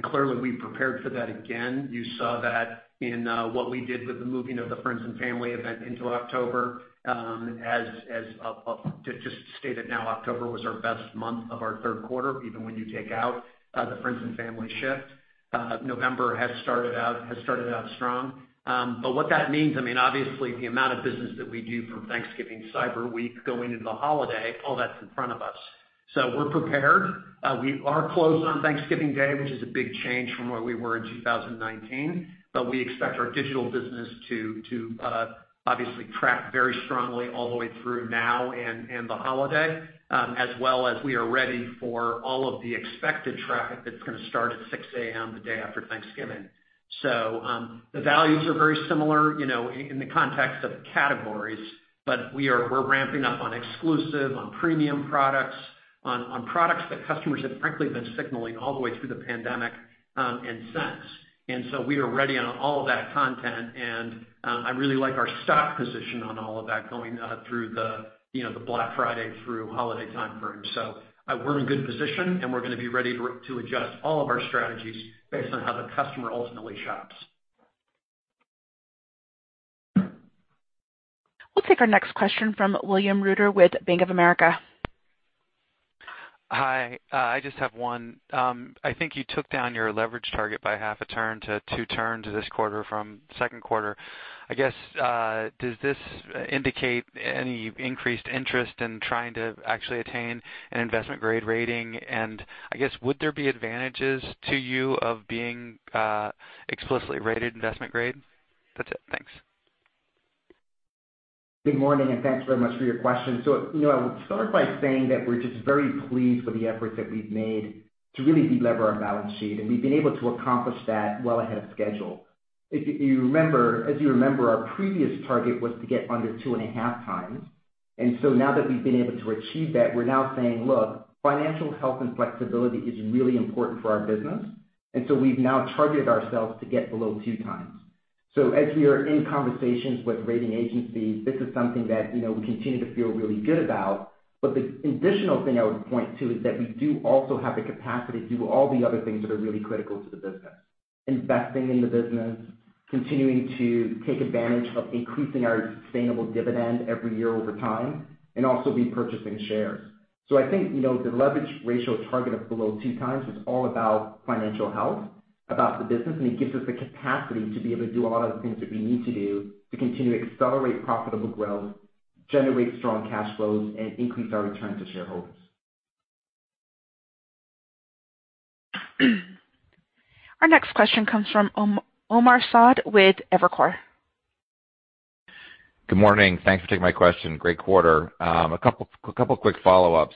Clearly we've prepared for that again. You saw that in what we did with the moving of the Friends & Family event into October, to just state it now, October was our best month of our third quarter, even when you take out the Friends & Family shift. November has started out strong. What that means, I mean, obviously the amount of business that we do from Thanksgiving Cyber Week going into the holiday, all that's in front of us. We're prepared. We are closed on Thanksgiving Day, which is a big change from where we were in 2019. We expect our digital business to obviously track very strongly all the way through now and the holiday as well as we are ready for all of the expected traffic that's gonna start at 6 A.M. the day after Thanksgiving. The values are very similar, you know, in the context of categories, but we're ramping up on exclusive, on premium products, on products that customers have frankly been signaling all the way through the pandemic and since. We are ready on all of that content, and I really like our stock position on all of that going through the, you know, the Black Friday through holiday timeframe. We're in a good position, and we're gonna be ready to adjust all of our strategies based on how the customer ultimately shops. We'll take our next question from William Reuter with Bank of America. Hi, I just have one. I think you took down your leverage target by half a turn to two turns this quarter from second quarter. I guess, does this indicate any increased interest in trying to actually attain an investment-grade rating? I guess, would there be advantages to you of being explicitly rated investment-grade? That's it. Thanks. Good morning, and thanks very much for your question. You know, I would start by saying that we're just very pleased with the efforts that we've made to really delever our balance sheet, and we've been able to accomplish that well ahead of schedule. As you remember, our previous target was to get under 2.5x. Now that we've been able to achieve that, we're now saying, look, financial health and flexibility is really important for our business, and so we've now targeted ourselves to get below 2x. As we are in conversations with rating agencies, this is something that, you know, we continue to feel really good about. The additional thing I would point to is that we do also have the capacity to do all the other things that are really critical to the business, investing in the business, continuing to take advantage of increasing our sustainable dividend every year over time, and also repurchasing shares. I think, you know, the leverage ratio target of below 2x was all about financial health. About the business, and it gives us the capacity to be able to do a lot of the things that we need to do to continue to accelerate profitable growth, generate strong cash flows, and increase our return to shareholders. Our next question comes from Omar Saad with Evercore. Good morning. Thanks for taking my question. Great quarter. A couple quick follow-ups.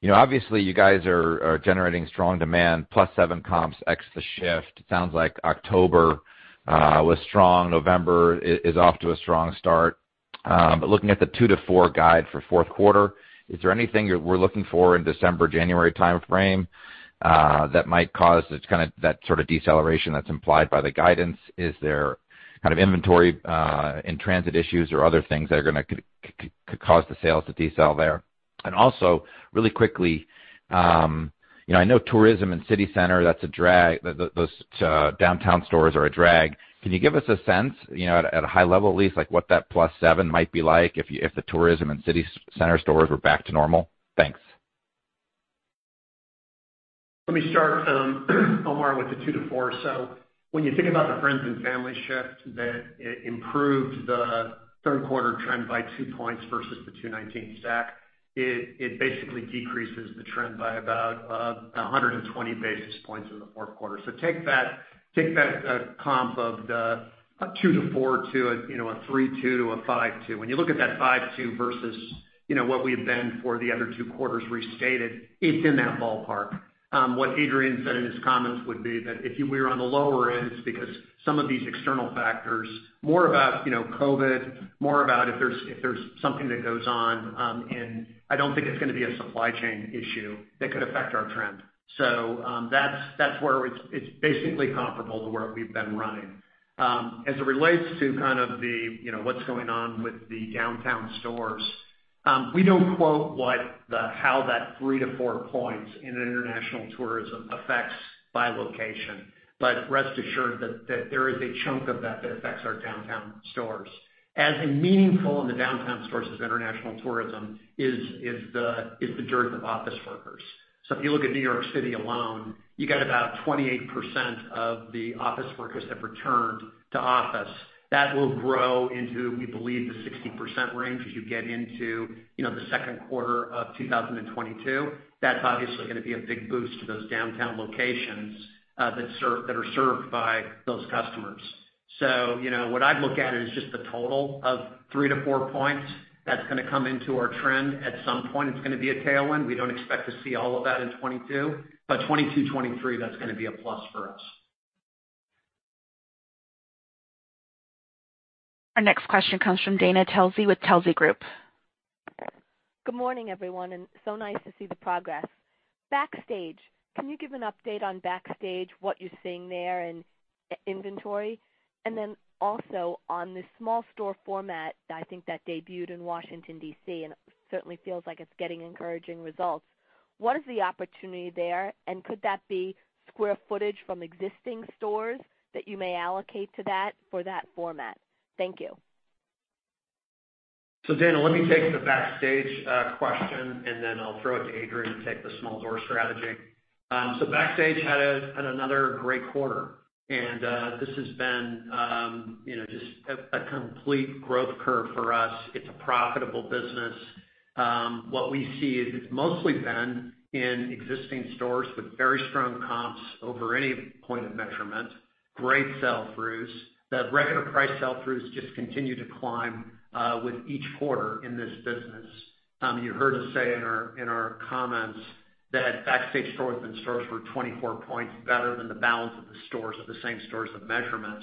You know, obviously, you guys are generating strong demand +7% comps ex the shift. It sounds like October was strong. November is off to a strong start. But looking at the 2%-4% guide for fourth quarter, is there anything that we're looking for in December, January timeframe that might cause that sort of deceleration that's implied by the guidance? Is there kind of inventory in transit issues or other things that are gonna cause the sales to decel there? And also, really quickly, you know, I know tourism and city center, that's a drag. Those downtown stores are a drag. Can you give us a sense, you know, at a high level, at least, like what that plus seven might be like if the tourism and city center stores were back to normal? Thanks. Let me start, Omar, with the 2%-4%. When you think about the Friends & Family shift that improved the third quarter trend by 2 points versus the 2019 stack, it basically decreases the trend by about 120 basis points in the fourth quarter. Take that comp of the 2%-4% to a 3.2%-5.2%. When you look at that 5.2% versus what we've been for the other two quarters restated, it's in that ballpark. What Adrian said in his comments would be that if you were on the lower end, it's because some of these external factors, you know, COVID, if there's something that goes on, and I don't think it's gonna be a supply chain issue that could affect our trend. That's where it's basically comparable to where we've been running. As it relates to kind of the, you know, what's going on with the downtown stores, we don't quote how that 3-4 points in international tourism affects by location. But rest assured that there is a chunk of that that affects our downtown stores. As meaningful in the downtown stores as international tourism is the dearth of office workers. If you look at New York City alone, you got about 28% of the office workers have returned to office. That will grow into, we believe, the 60% range as you get into, you know, the second quarter of 2022. That's obviously gonna be a big boost to those downtown locations that are served by those customers. You know, what I'd look at is just the total of 3-4 points that's gonna come into our trend. At some point, it's gonna be a tailwind. We don't expect to see all of that in 2022, but 2022, 2023, that's gonna be a plus for us. Our next question comes from Dana Telsey with Telsey Advisory Group. Good morning, everyone, and so nice to see the progress. Backstage, can you give an update on Backstage, what you're seeing there and inventory? Then also on the small store format, I think that debuted in Washington, D.C., and it certainly feels like it's getting encouraging results. What is the opportunity there? Could that be square footage from existing stores that you may allocate to that for that format? Thank you. Dana, let me take the Backstage question, and then I'll throw it to Adrian to take the small store strategy. Backstage had another great quarter, and this has been, you know, just a complete growth curve for us. It's a profitable business. What we see is it's mostly been in existing stores with very strong comps over any point of measurement, great sell-throughs. The regular price sell-throughs just continue to climb with each quarter in this business. You heard us say in our comments that Backstage store within stores were 24 points better than the balance of the stores, of the same stores of measurement.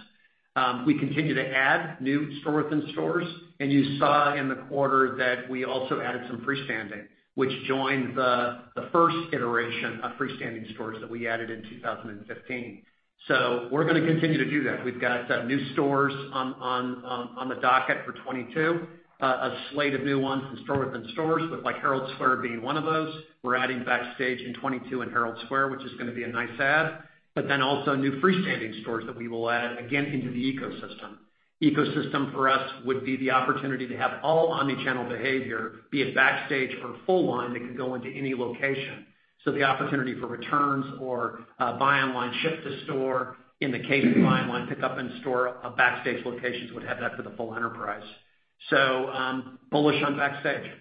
We continue to add new store within stores, and you saw in the quarter that we also added some freestanding, which joined the first iteration of freestanding stores that we added in 2015. We're gonna continue to do that. We've got new stores on the docket for 2022, a slate of new ones from store within stores with, like, Herald Square being one of those. We're adding Backstage in 2022 in Herald Square, which is gonna be a nice add. Also new freestanding stores that we will add, again, into the ecosystem. Ecosystem for us would be the opportunity to have all omnichannel behavior, be it Backstage or full line that can go into any location. The opportunity for returns or buy online, ship to store in the case of buy online, pickup in store, Backstage locations would have that for the full enterprise. So bullish on Backstage.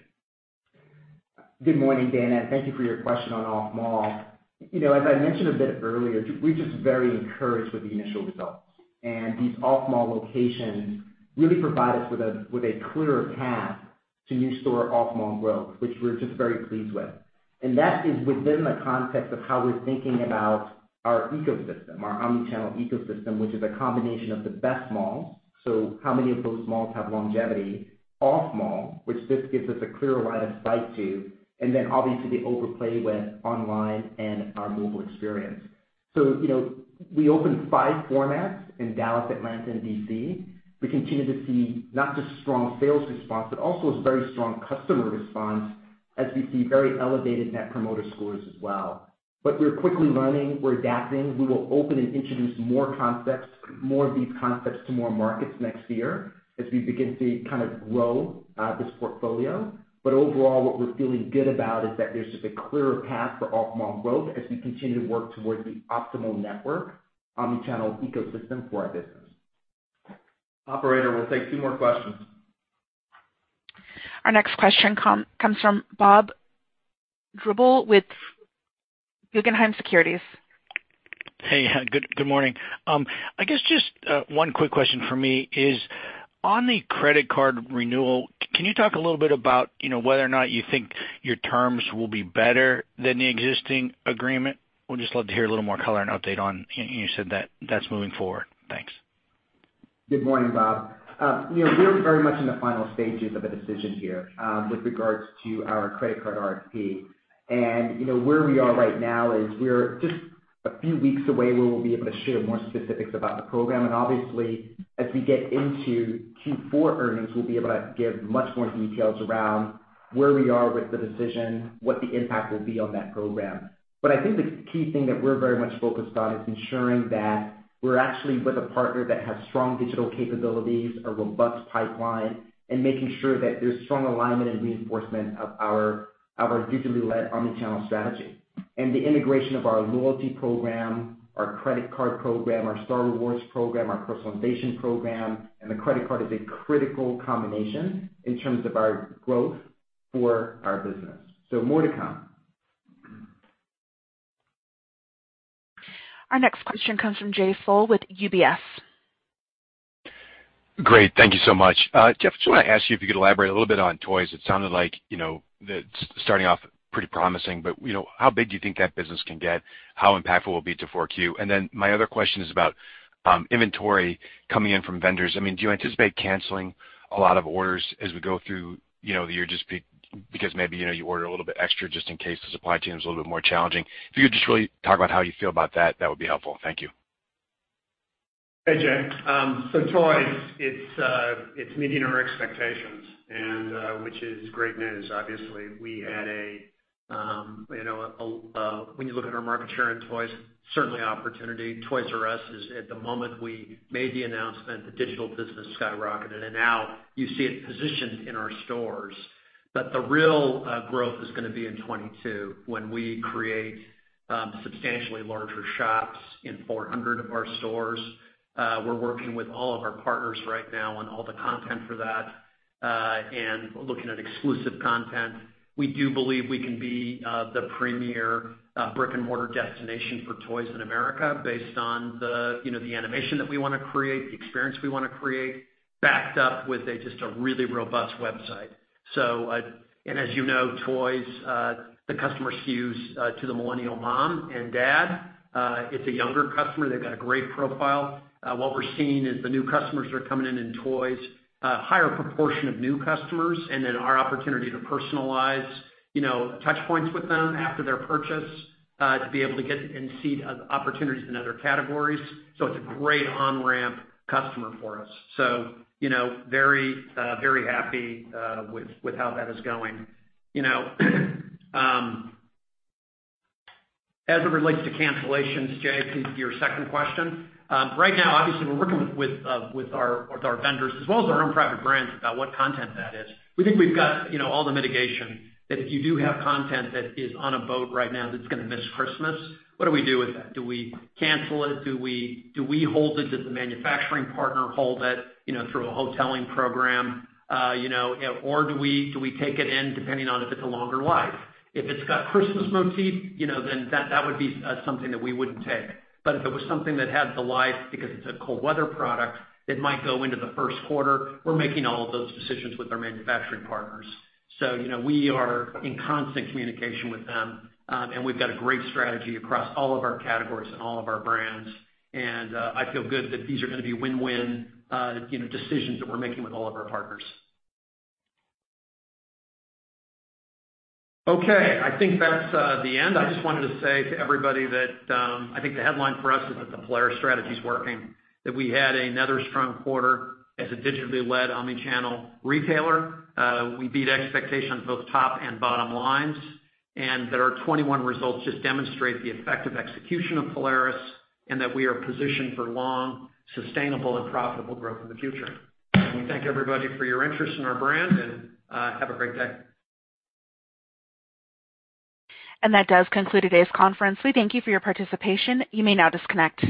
Good morning, Dana, and thank you for your question on off-mall. You know, as I mentioned a bit earlier, we're just very encouraged with the initial results. These off-mall locations really provide us with a clearer path to new store off-mall growth, which we're just very pleased with. That is within the context of how we're thinking about our ecosystem, our omnichannel ecosystem, which is a combination of the best malls, so how many of those malls have longevity, off-mall, which this gives us a clearer line of sight to, and then obviously the overlay with online and our mobile experience. You know, we opened five formats in Dallas, Atlanta, and D.C. We continue to see not just strong sales response, but also a very strong customer response as we see very elevated net promoter scores as well. We're quickly learning, we're adapting, we will open and introduce more concepts, more of these concepts to more markets next year as we begin to kind of grow this portfolio. Overall, what we're feeling good about is that there's just a clearer path for off-mall growth as we continue to work towards the optimal network, omnichannel ecosystem for our business. Operator, we'll take two more questions. Our next question comes from Bob Drbul with Guggenheim Securities. Hey, good morning. I guess just one quick question from me is on the credit card renewal. Can you talk a little bit about, you know, whether or not you think your terms will be better than the existing agreement? Would just love to hear a little more color and update on you said that that's moving forward. Thanks. Good morning, Bob. You know, we're very much in the final stages of a decision here with regards to our credit card RFP. You know, where we are right now is we're just a few weeks away where we'll be able to share more specifics about the program. Obviously, as we get into Q4 earnings, we'll be able to give much more details around where we are with the decision, what the impact will be on that program. I think the key thing that we're very much focused on is ensuring that we're actually with a partner that has strong digital capabilities, a robust pipeline, and making sure that there's strong alignment and reinforcement of our digitally led omni-channel strategy. The integration of our loyalty program, our credit card program, our Star Rewards program, our personalization program, and the credit card is a critical combination in terms of our growth for our business. More to come. Our next question comes from Jay Sole with UBS. Great. Thank you so much. Jeff, just wanna ask you if you could elaborate a little bit on toys. It sounded like, you know, starting off pretty promising, but, you know, how big do you think that business can get? How impactful will it be to 4Q? And then my other question is about inventory coming in from vendors. I mean, do you anticipate canceling a lot of orders as we go through, you know, the year just because maybe, you know, you order a little bit extra just in case the supply chain is a little bit more challenging? If you could just really talk about how you feel about that would be helpful. Thank you. Hey, Jay. Toys, it's meeting our expectations, which is great news. Obviously, when you look at our market share in toys, certainly opportunity. Toys"R"Us is at the moment we made the announcement, the digital business skyrocketed, and now you see it positioned in our stores. The real growth is gonna be in 2022 when we create substantially larger shops in 400 of our stores. We're working with all of our partners right now on all the content for that, and looking at exclusive content. We do believe we can be the premier brick-and-mortar destination for toys in America based on the, you know, the animation that we wanna create, the experience we wanna create, backed up with just a really robust website. As you know, toys, the customer skews to the millennial mom and dad. It's a younger customer. They've got a great profile. What we're seeing is the new customers that are coming in in toys, higher proportion of new customers, and then our opportunity to personalize, you know, touch points with them after their purchase, to be able to get and see opportunities in other categories. It's a great on-ramp customer for us. You know, very happy with how that is going. You know, as it relates to cancellations, Jay, to your second question, right now, obviously we're working with our vendors as well as our own private brands about what content that is. We think we've got, you know, all the mitigation that if you do have content that is on a boat right now that's gonna miss Christmas, what do we do with that? Do we cancel it? Do we hold it? Does the manufacturing partner hold it, you know, through a hoteling program? You know, or do we take it in depending on if it's a longer life? If it's got Christmas motif, you know, then that would be something that we wouldn't take. But if it was something that had the life because it's a cold weather product that might go into the first quarter, we're making all of those decisions with our manufacturing partners. You know, we are in constant communication with them, and we've got a great strategy across all of our categories and all of our brands. I feel good that these are gonna be win-win, you know, decisions that we're making with all of our partners. Okay, I think that's the end. I just wanted to say to everybody that I think the headline for us is that the Polaris strategy is working, that we had another strong quarter as a digitally led omni-channel retailer. We beat expectations both top and bottom lines, and that our 2021 results just demonstrate the effective execution of Polaris, and that we are positioned for long, sustainable, and profitable growth in the future. We thank everybody for your interest in our brand, and have a great day. That does conclude today's conference. We thank you for your participation. You may now disconnect.